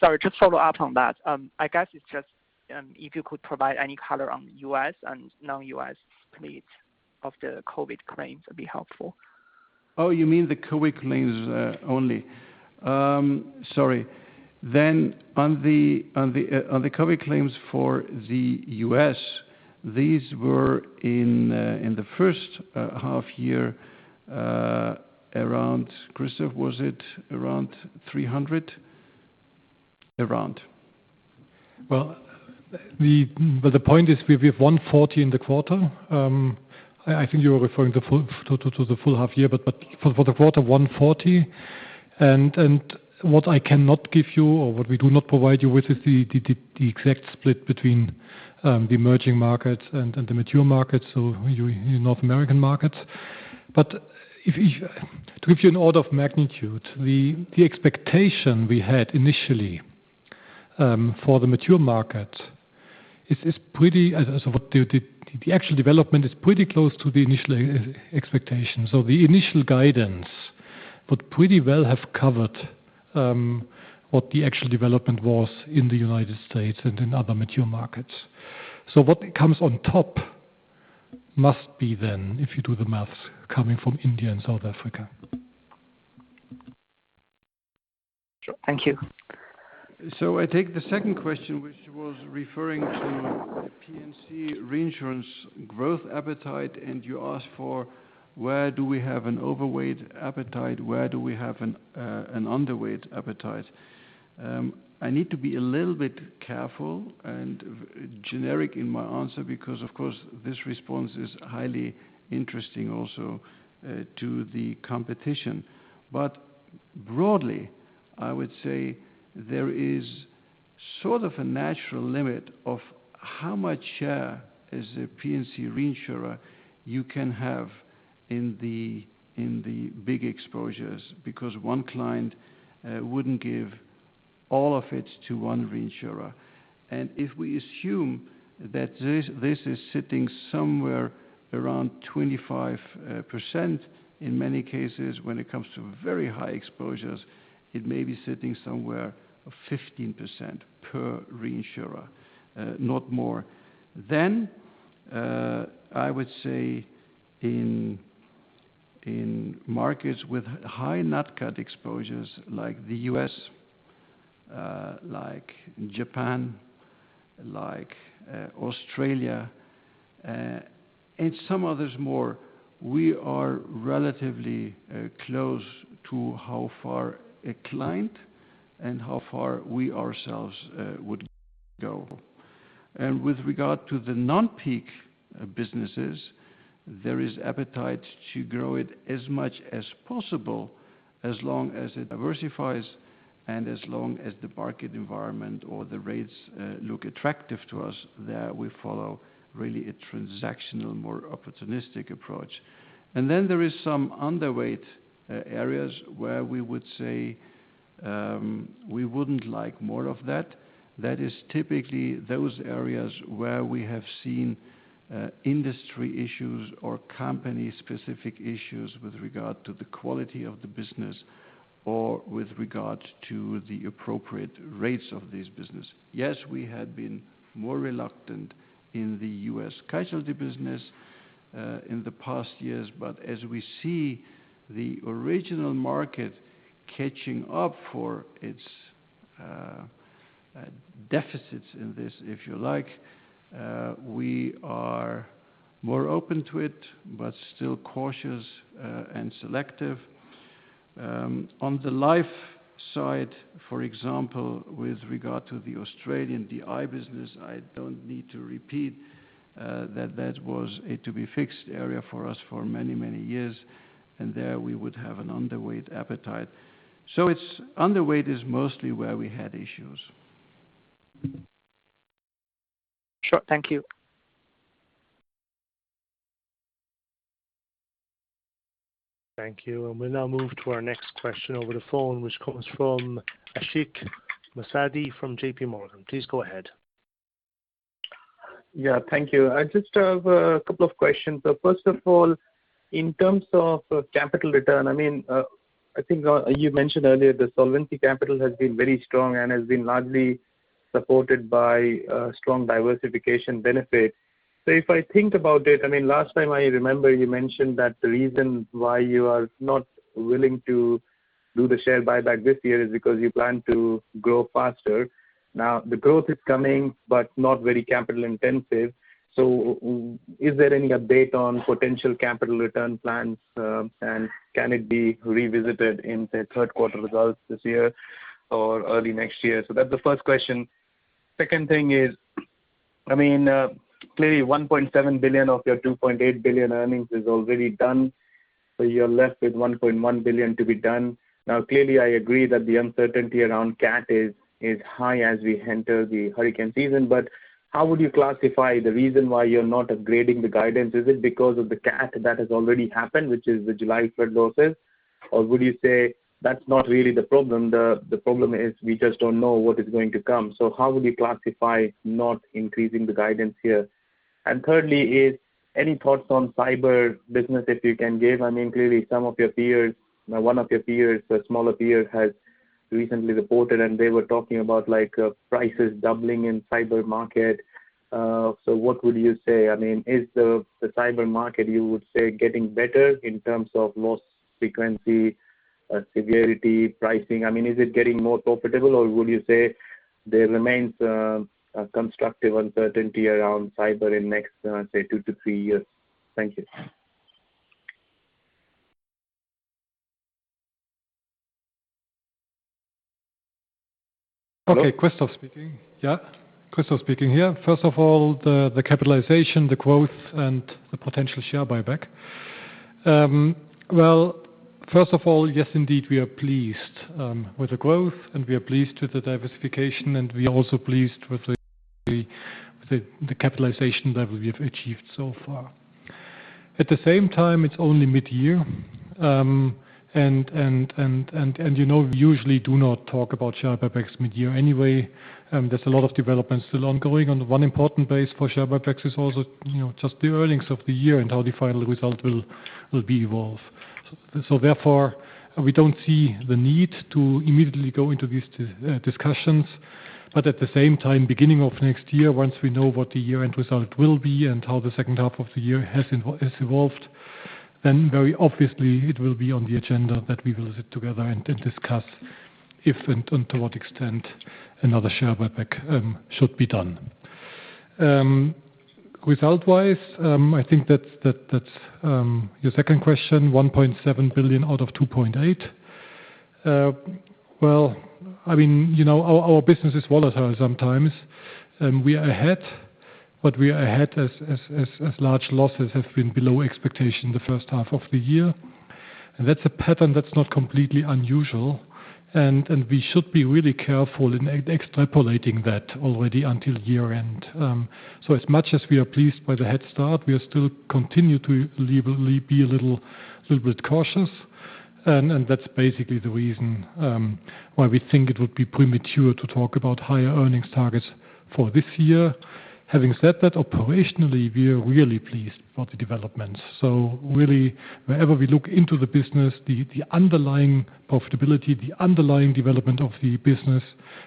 Sorry, just follow up on that. I guess it's just if you could provide any color on the U.S. and non-U.S. splits of the COVID claims, that'd be helpful. Oh, you mean the COVID claims only. Sorry. On the COVID claims for the U.S., these were in the first half year, around, Christoph, was it around 300 million? Around. Well, the point is we have 140 in the quarter. I think you were referring to the full half year, but for the quarter, 140. What I cannot give you, or what we do not provide you with, is the exact split between the emerging markets and the mature markets, so your North American markets. To give you an order of magnitude, the expectation we had initially for the mature market, the actual development is pretty close to the initial expectations. The initial guidance would pretty well have covered what the actual development was in the United States and in other mature markets. What comes on top must be then, if you do the math, coming from India and South Africa. Sure. Thank you. I take the second question, which was referring to P&C Reinsurance growth appetite. You ask for where do we have an overweight appetite, where do we have an underweight appetite? I need to be a little bit careful and generic in my answer because, of course, this response is highly interesting also to the competition. Broadly, I would say there is sort of a natural limit of how much share as a P&C reinsurer you can have in the big exposures, because one client wouldn't give all of it to one reinsurer. If we assume that this is sitting somewhere around 25%, in many cases, when it comes to very high exposures, it may be sitting somewhere of 15% per reinsurer. Not more. I would say in markets with high NatCat exposures like the U.S., like Japan, like Australia, and some others more, we are relatively close to how far a client and how far we ourselves would go. With regard to the non-peak businesses, there is appetite to grow it as much as possible, as long as it diversifies and as long as the market environment or the rates look attractive to us. There, we follow really a transactional, more opportunistic approach. Then there is some underweight areas where we would say we wouldn't like more of that. That is typically those areas where we have seen industry issues or company specific issues with regard to the quality of the business or with regard to the appropriate rates of this business. Yes, we had been more reluctant in the U.S. casualty business in the past years. As we see the original market catching up for its deficits in this, if you like, we are more open to it, but still cautious and selective. On the life side, for example, with regard to the Australian DI business, I don't need to repeat that that was a to be fixed area for us for many years, and there we would have an underweight appetite. Underweight is mostly where we had issues. Sure. Thank you. Thank you. We now move to our next question over the phone, which comes from Ashik Musaddi from JPMorgan. Please go ahead. Yeah. Thank you. I just have a couple of questions. First of all, in terms of capital return, I think you mentioned earlier the solvency capital has been very strong and has been largely supported by strong diversification benefits. If I think about it, last time I remember you mentioned that the reason why you are not willing to do the share buyback this year is because you plan to grow faster. Now the growth is coming, but not very capital intensive. Is there any update on potential capital return plans? Can it be revisited in, say, third quarter results this year or early next year? That's the first question. Second thing is, clearly 1.7 billion of your 2.8 billion earnings is already done. You're left with 1.1 billion to be done. Clearly, I agree that the uncertainty around CAT is high as we enter the hurricane season. How would you classify the reason why you're not upgrading the guidance? Is it because of the CAT that has already happened, which is the July flood losses? Would you say that's not really the problem? The problem is we just don't know what is going to come. How would you classify not increasing the guidance here? Thirdly, is any thoughts on cyber business that you can give? Clearly, some of your peers, one of your peers, a smaller peer, has recently reported, and they were talking about prices doubling in cyber market. What would you say? Is the cyber market, you would say, getting better in terms of loss frequency, severity, pricing? Is it getting more profitable, or would you say there remains a constructive uncertainty around cyber in next, say, two to three years? Thank you. Okay. Christoph speaking. First of all, the capitalization, the growth and the potential share buyback. Well, first of all, yes, indeed, we are pleased with the growth, and we are pleased with the diversification, and we are also pleased with the capitalization level we have achieved so far. At the same time, it's only mid-year. We usually do not talk about share buybacks mid-year anyway. There's a lot of developments still ongoing on one important base for share buybacks is also just the earnings of the year and how the final result will evolve. Therefore, we don't see the need to immediately go into these discussions. At the same time, beginning of next year, once we know what the year-end result will be and how the second half of the year has evolved, then very obviously it will be on the agenda that we will sit together and discuss if and to what extent another share buyback should be done. Result-wise, I think that's your second question. 1.7 billion out of 2.8 billion. Well, our business is volatile sometimes. We are ahead, we are ahead as large losses have been below expectation the first half of the year. That's a pattern that's not completely unusual. We should be really careful in extrapolating that already until year-end. As much as we are pleased by the head start, we are still continue to be a little bit cautious. That's basically the reason why we think it would be premature to talk about higher earnings targets for this year. Having said that, operationally, we are really pleased about the developments. Really, wherever we look into the business, the underlying profitability, the underlying development of the business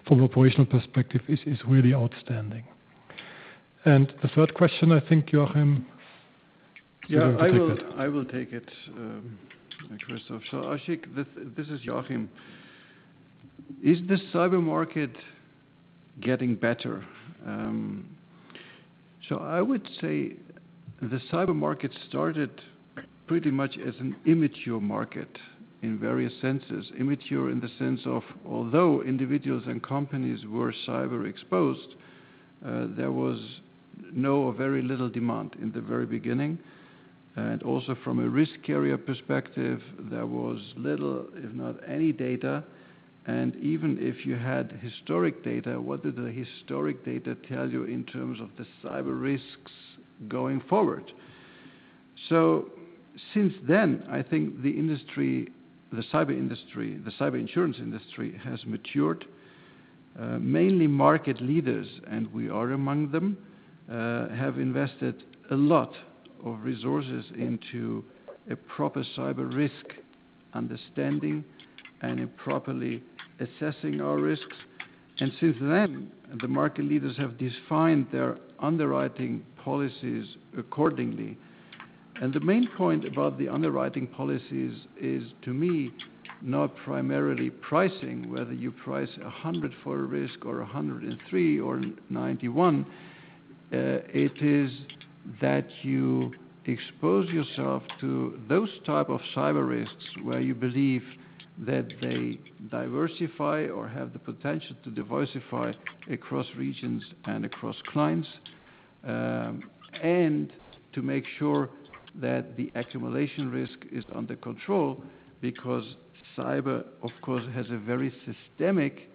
from operational perspective is really outstanding. The third question, I think Joachim. Yeah. I will take it, Christoph. Ashik, this is Joachim. Is the cyber market getting better? I would say the cyber market started pretty much as an immature market in various senses. Immature in the sense of although individuals and companies were cyber exposed, there was no or very little demand in the very beginning. Also from a risk carrier perspective, there was little, if not any data. Even if you had historic data, what did the historic data tell you in terms of the cyber risks going forward? Since then, I think the cyber insurance industry has matured. Mainly market leaders, and we are among them, have invested a lot of resources into a proper cyber risk understanding and in properly assessing our risks. Since then, the market leaders have defined their underwriting policies accordingly. The main point about the underwriting policies is, to me, not primarily pricing, whether you price 100 for a risk or 103 or 91. It is that you expose yourself to those type of Cyber risks where you believe that they diversify or have the potential to diversify across regions and across clients, and to make sure that the accumulation risk is under control. Cyber, of course, has a very systemic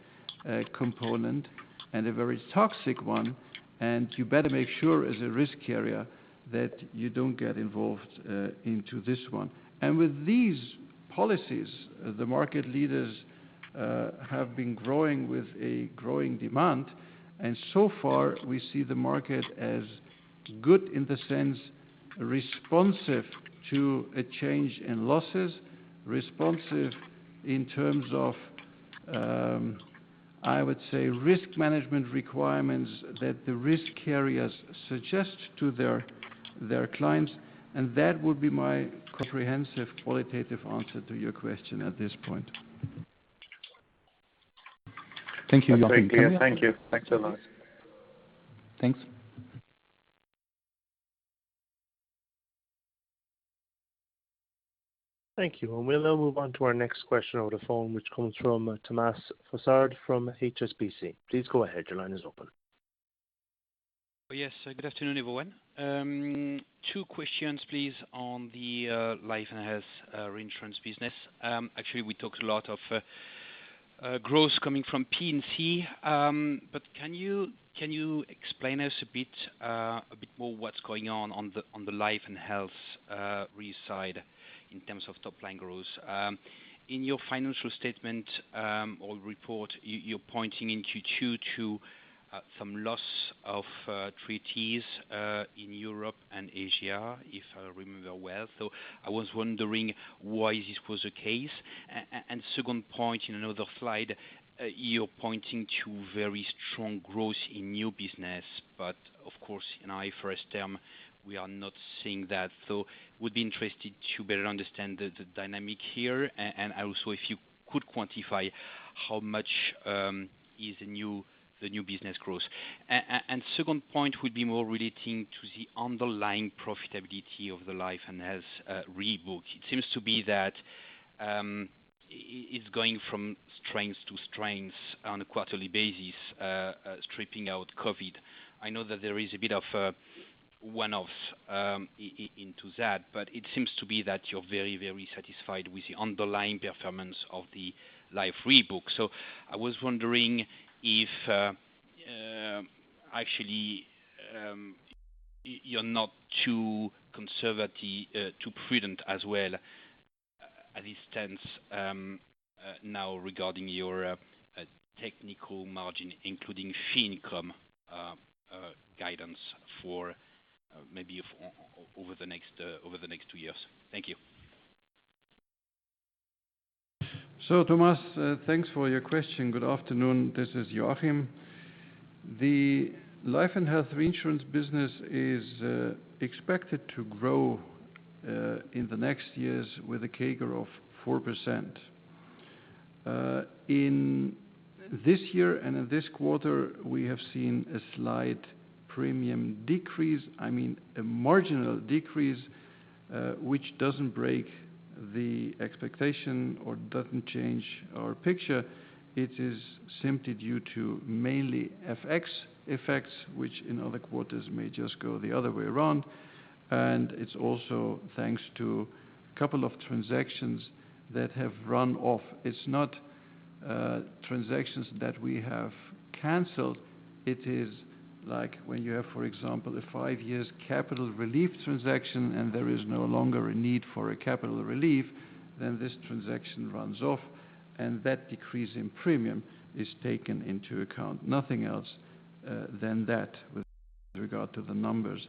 component and a very toxic one, and you better make sure as a risk carrier that you don't get involved into this one. With these policies, the market leaders have been growing with a growing demand. So far, we see the market as good in the sense, responsive to a change in losses, responsive in terms of, I would say, risk management requirements that the risk carriers suggest to their clients. That would be my comprehensive qualitative answer to your question at this point. Thank you. Thanks a lot. Thanks. Thank you. We'll now move on to our next question over the phone, which comes from Thomas Fossard from HSBC. Please go ahead. Your line is open. Yes. Good afternoon, everyone. Two questions, please, on the Life and Health Reinsurance business. Actually, we talked a lot of growth coming from P&C. Can you explain us a bit more what's going on the Life and Health re side in terms of top line growth? In your financial statement or report, you're pointing in Q2 to some loss of treaties in Europe and Asia, if I remember well. I was wondering why this was the case. Second point, in another slide, you're pointing to very strong growth in new business. Of course, in our first term, we are not seeing that. Would be interested to better understand the dynamic here, and also if you could quantify how much is the new business growth. Second point would be more relating to the underlying profitability of the Life and Health Re book. It seems to be that it's going from strength to strength on a quarterly basis, stripping out COVID. I know that there is a bit of a one-off into that, but it seems to be that you're very, very satisfied with the underlying performance of the Life Re book. I was wondering if actually you're not too conservative, too prudent as well at this point now regarding your technical margin, including fee income guidance for maybe over the next two years. Thank you. Thomas, thanks for your question. Good afternoon. This is Joachim. The Life and Health Reinsurance business is expected to grow in the next years with a CAGR of 4%. In this year and in this quarter, we have seen a slight premium decrease, I mean, a marginal decrease, which doesn't break the expectation or doesn't change our picture. It is simply due to mainly FX effects, which in other quarters may just go the other way around. It's also thanks to couple of transactions that have run off. It's not transactions that we have canceled. It is like when you have, for example, a five years capital relief transaction and there is no longer a need for a capital relief, then this transaction runs off, and that decrease in premium is taken into account. Nothing else than that with regard to the numbers.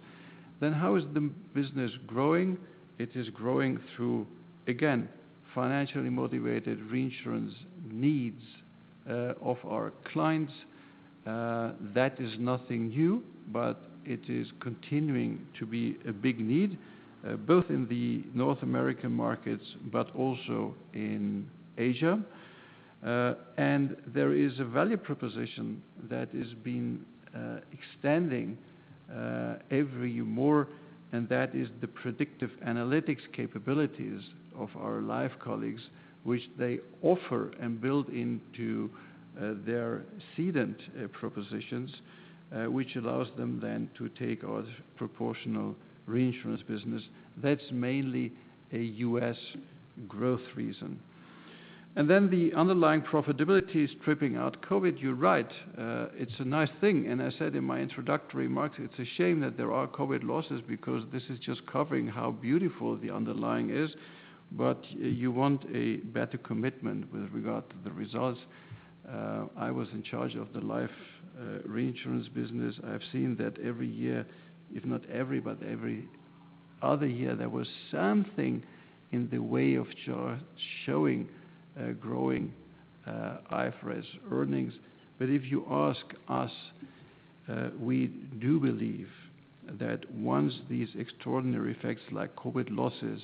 How is the business growing? It is growing through, again, financially motivated Reinsurance needs of our clients. That is nothing new, but it is continuing to be a big need, both in the North American markets but also in Asia. There is a value proposition that has been extending even more, and that is the predictive analytics capabilities of our life colleagues, which they offer and build into their cedent propositions, which allows them then to take our proportional Reinsurance business. That's mainly a U.S. growth reason. The underlying profitability is stripping out. COVID, you're right. It's a nice thing. I said in my introductory remarks, it's a shame that there are COVID losses because this is just covering how beautiful the underlying is. You want a better commitment with regard to the results. I was in charge of the life Reinsurance business. I have seen that every year, if not every, but every other year, there was something in the way of showing growing IFRS earnings. If you ask us, we do believe that once these extraordinary effects like COVID losses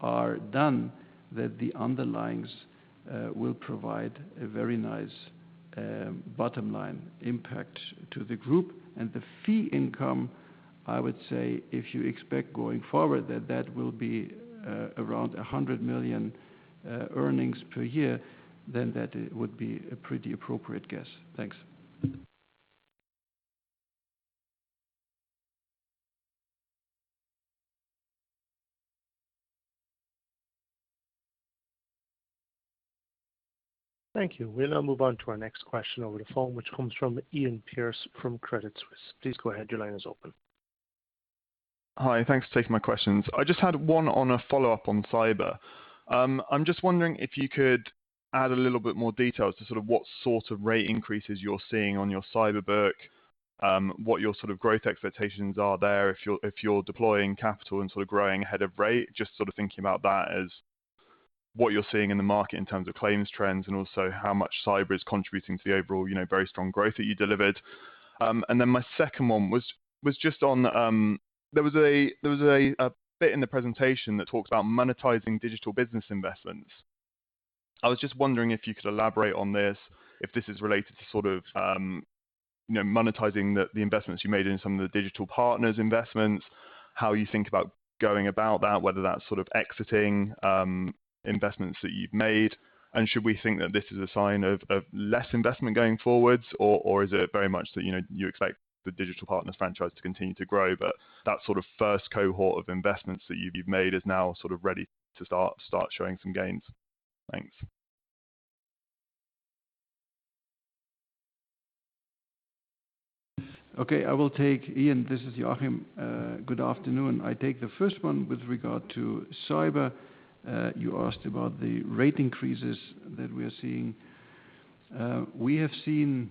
are done, that the underlyings will provide a very nice bottom-line impact to the group. The fee income, I would say, if you expect going forward that that will be around 100 million earnings per year, then that would be a pretty appropriate guess. Thanks. Thank you. We will now move on to our next question over the phone, which comes from Iain Pearce from Credit Suisse. Please go ahead. Your line is open. Hi. Thanks for taking my questions. I just had one on a follow-up on Cyber. I'm just wondering if you could add a little bit more detail to sort of what sort of rate increases you're seeing on your Cyber book, what your sort of growth expectations are there if you're deploying capital and sort of growing ahead of rate. Just sort of thinking about that as what you're seeing in the market in terms of claims trends, also how much Cyber is contributing to the overall very strong growth that you delivered. My second one was just on, there was a bit in the presentation that talks about monetizing digital business investments. I was just wondering if you could elaborate on this, if this is related to sort of monetizing the investments you made in some of the Digital Partners investments, how you think about going about that, whether that's sort of exiting investments that you've made. Should we think that this is a sign of less investment going forwards, or is it very much that you expect the Digital Partners franchise to continue to grow? That sort of first cohort of investments that you've made is now sort of ready to start showing some gains. Thanks. Okay, I will take. Iain, this is Joachim. Good afternoon. I take the first one with regard to cyber. You asked about the rate increases that we are seeing. We have seen,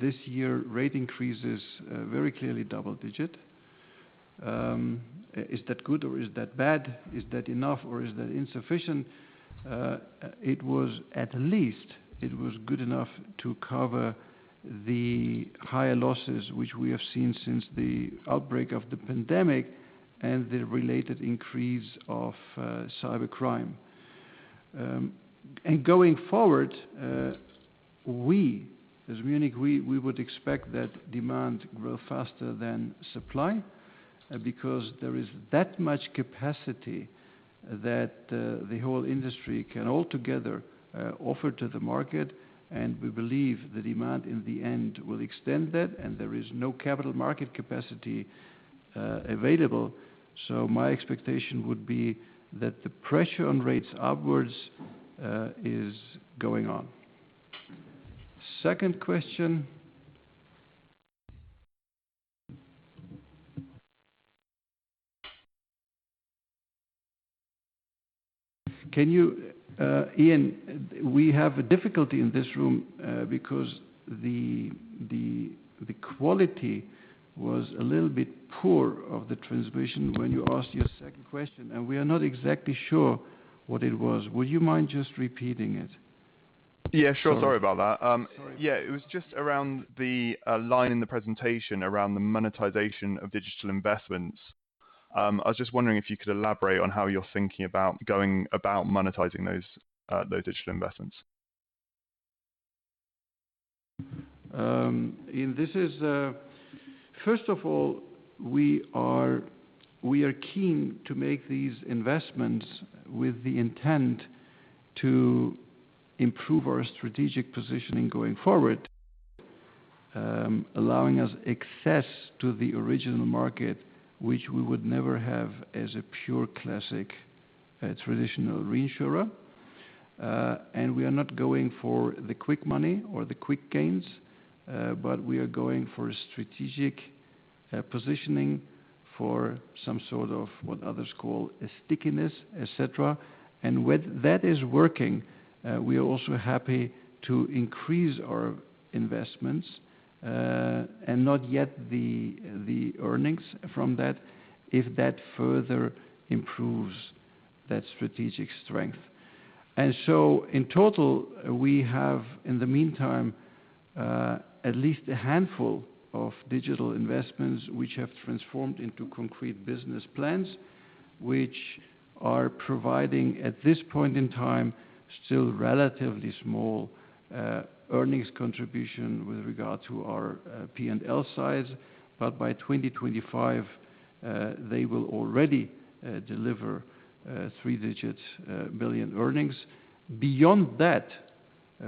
this year, rate increases very clearly double-digit. Is that good or is that bad? Is that enough or is that insufficient? At least it was good enough to cover the higher losses, which we have seen since the outbreak of the pandemic and the related increase of cybercrime. Going forward, we as Munich Re, we would expect that demand grow faster than supply because there is that much capacity that the whole industry can altogether offer to the market, and we believe the demand in the end will extend that and there is no capital market capacity available. My expectation would be that the pressure on rates upwards is going on. Second question. Iain, we have a difficulty in this room because the quality was a little bit poor of the transmission when you asked your second question, and we are not exactly sure what it was. Would you mind just repeating it? Yeah, sure. Sorry about that. Sorry. Yeah. It was just around the line in the presentation around the monetization of digital investments. I was just wondering if you could elaborate on how you're thinking about going about monetizing those digital investments. Iain, first of all, we are keen to make these investments with the intent to improve our strategic positioning going forward, allowing us access to the original market, which we would never have as a pure classic, traditional reinsurer. We are not going for the quick money or the quick gains, but we are going for strategic positioning for some sort of what others call a stickiness, et cetera. That is working. We are also happy to increase our investments, and not yet the earnings from that if that further improves that strategic strength. In total, we have, in the meantime. At least a handful of digital investments which have transformed into concrete business plans, which are providing, at this point in time, still relatively small earnings contribution with regard to our P&L size. But by 2025, they will already deliver three-digits billion earnings. Beyond that,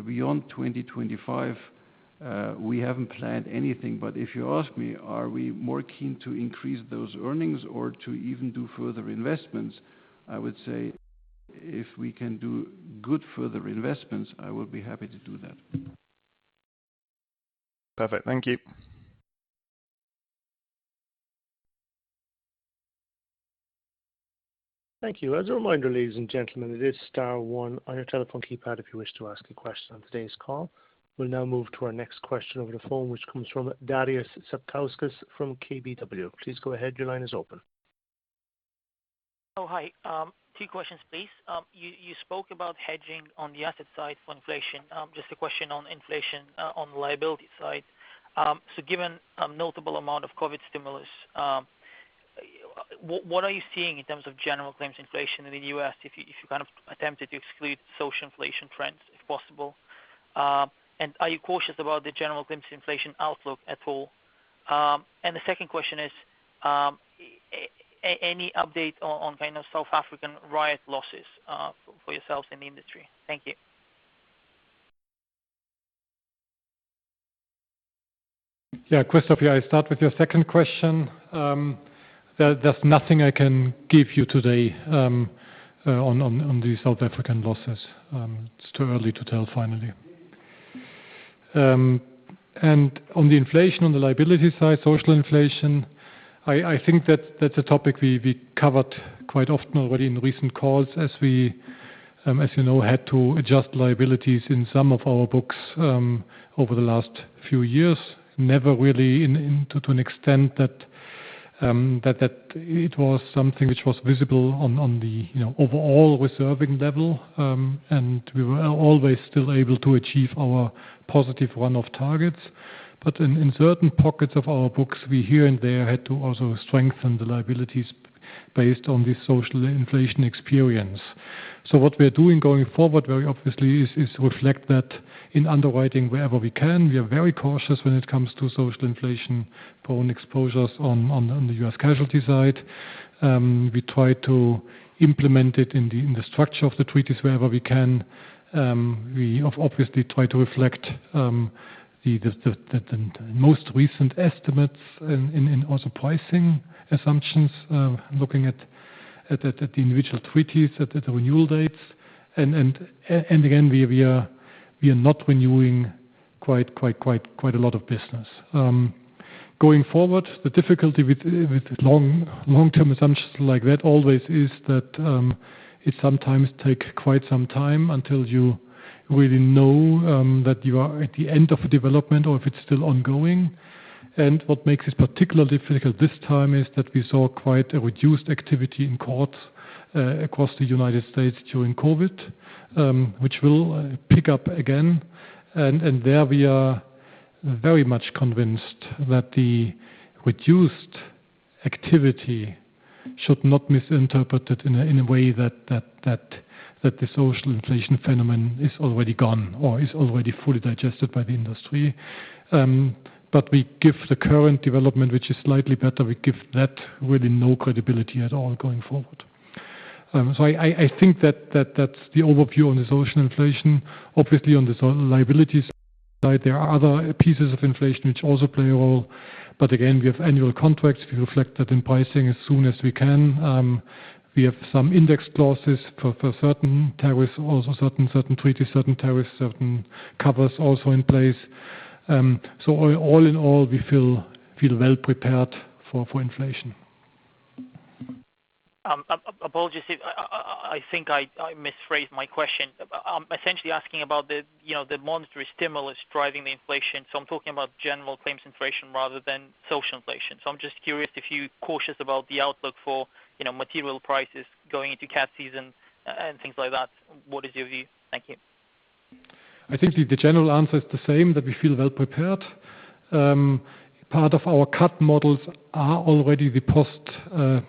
beyond 2025, we haven't planned anything. If you ask me, are we more keen to increase those earnings or to even do further investments, I would say if we can do good further investments, I will be happy to do that. Perfect. Thank you. Thank you. As a reminder, ladies and gentlemen, it is star one on your telephone keypad if you wish to ask a question on today's call. We'll now move to our next question over the phone, which comes from Darius Satkauskas from KBW. Please go ahead. Your line is open. Oh, hi. Two questions, please. You spoke about hedging on the asset side for inflation. Just a question on inflation on the liability side. Given a notable amount of COVID stimulus, what are you seeing in terms of general claims inflation in the U.S. if you attempted to exclude social inflation trends, if possible? Are you cautious about the general claims inflation outlook at all? The second question is, any update on South African riot losses for yourselves in the industry? Thank you. Yeah, Christoph here. I start with your second question. There's nothing I can give you today on the South African losses. It's too early to tell, finally. On the inflation, on the liability side, social inflation, I think that's a topic we covered quite often already in recent calls as we, as you know, had to adjust liabilities in some of our books over the last few years. Never really to an extent that it was something which was visible on the overall reserving level. We were always still able to achieve our positive run-off targets. In certain pockets of our books, we here and there had to also strengthen the liabilities based on the social inflation experience. What we're doing going forward, very obviously, is reflect that in underwriting wherever we can. We are very cautious when it comes to social inflation-prone exposures on the U.S. casualty side. We try to implement it in the structure of the treaties wherever we can. We obviously try to reflect the most recent estimates and also pricing assumptions, looking at the individual treaties, at the renewal dates. Again, we are not renewing quite a lot of business. Going forward, the difficulty with long-term assumptions like that always is that it sometimes take quite some time until you really know that you are at the end of a development or if it's still ongoing. What makes it particularly difficult this time is that we saw quite a reduced activity in courts across the United States during COVID-19, which will pick up again. There we are very much convinced that the reduced activity should not be misinterpreted in a way that the social inflation phenomenon is already gone or is already fully digested by the industry. We give the current development, which is slightly better, we give that really no credibility at all going forward. I think that's the overview on the social inflation. Obviously, on the liability side, there are other pieces of inflation which also play a role. Again, we have annual contracts. We reflect that in pricing as soon as we can. We have some index clauses for certain treaties, certain tariffs, certain covers also in place. All in all, we feel well prepared for inflation. Apologies. I think I misphrased my question. I'm essentially asking about the monetary stimulus driving the inflation. I'm talking about general claims inflation rather than social inflation. I'm just curious if you're cautious about the outlook for material prices going into cat season and things like that. What is your view? Thank you. I think the general answer is the same, that we feel well prepared. Part of our CAT models are already the post-claim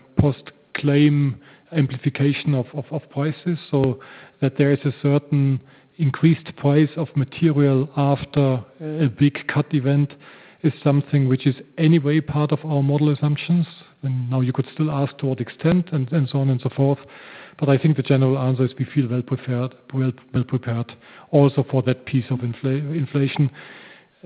amplification of prices, so that there is a certain increased price of material after a big CAT event is something which is anyway part of our model assumptions. Now you could still ask to what extent and so on and so forth. I think the general answer is we feel well prepared also for that piece of inflation.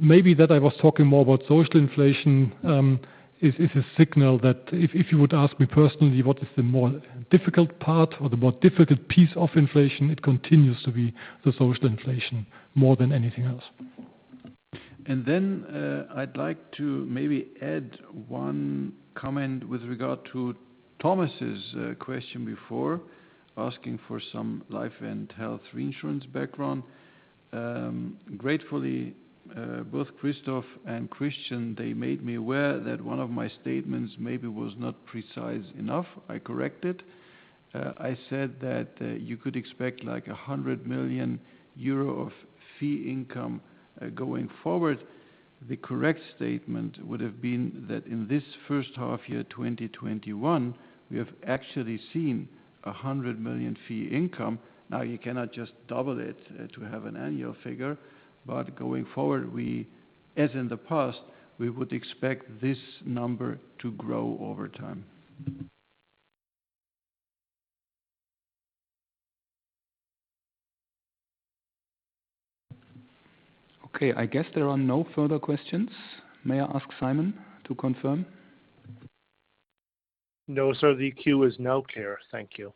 Maybe that I was talking more about social inflation is a signal that if you would ask me personally, what is the more difficult part or the more difficult piece of inflation, it continues to be the social inflation more than anything else. I'd like to maybe add one comment with regard to Thomas's question before, asking for some Life and Health Reinsurance background. Gratefully, both Christoph and Christian, they made me aware that one of my statements maybe was not precise enough. I correct it. I said that you could expect like 100 million euro of fee income going forward. The correct statement would have been that in this first half year 2021, we have actually seen 100 million fee income. Now, you cannot just double it to have an annual figure. Going forward, as in the past, we would expect this number to grow over time. Okay. I guess there are no further questions. May I ask Simon to confirm? No, sir. The queue is now clear. Thank you.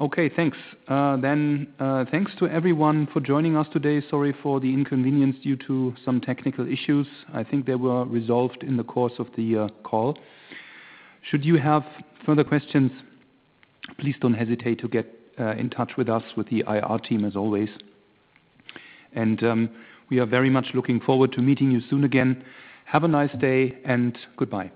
Okay, thanks. Thanks to everyone for joining us today. Sorry for the inconvenience due to some technical issues. I think they were resolved in the course of the call. Should you have further questions, please don't hesitate to get in touch with us, with the IR team, as always. We are very much looking forward to meeting you soon again. Have a nice day, and goodbye.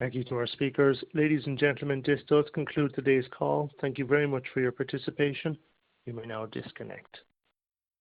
Thank you to our speakers. Ladies and gentlemen, this does conclude today's call. Thank you very much for your participation. You may now disconnect.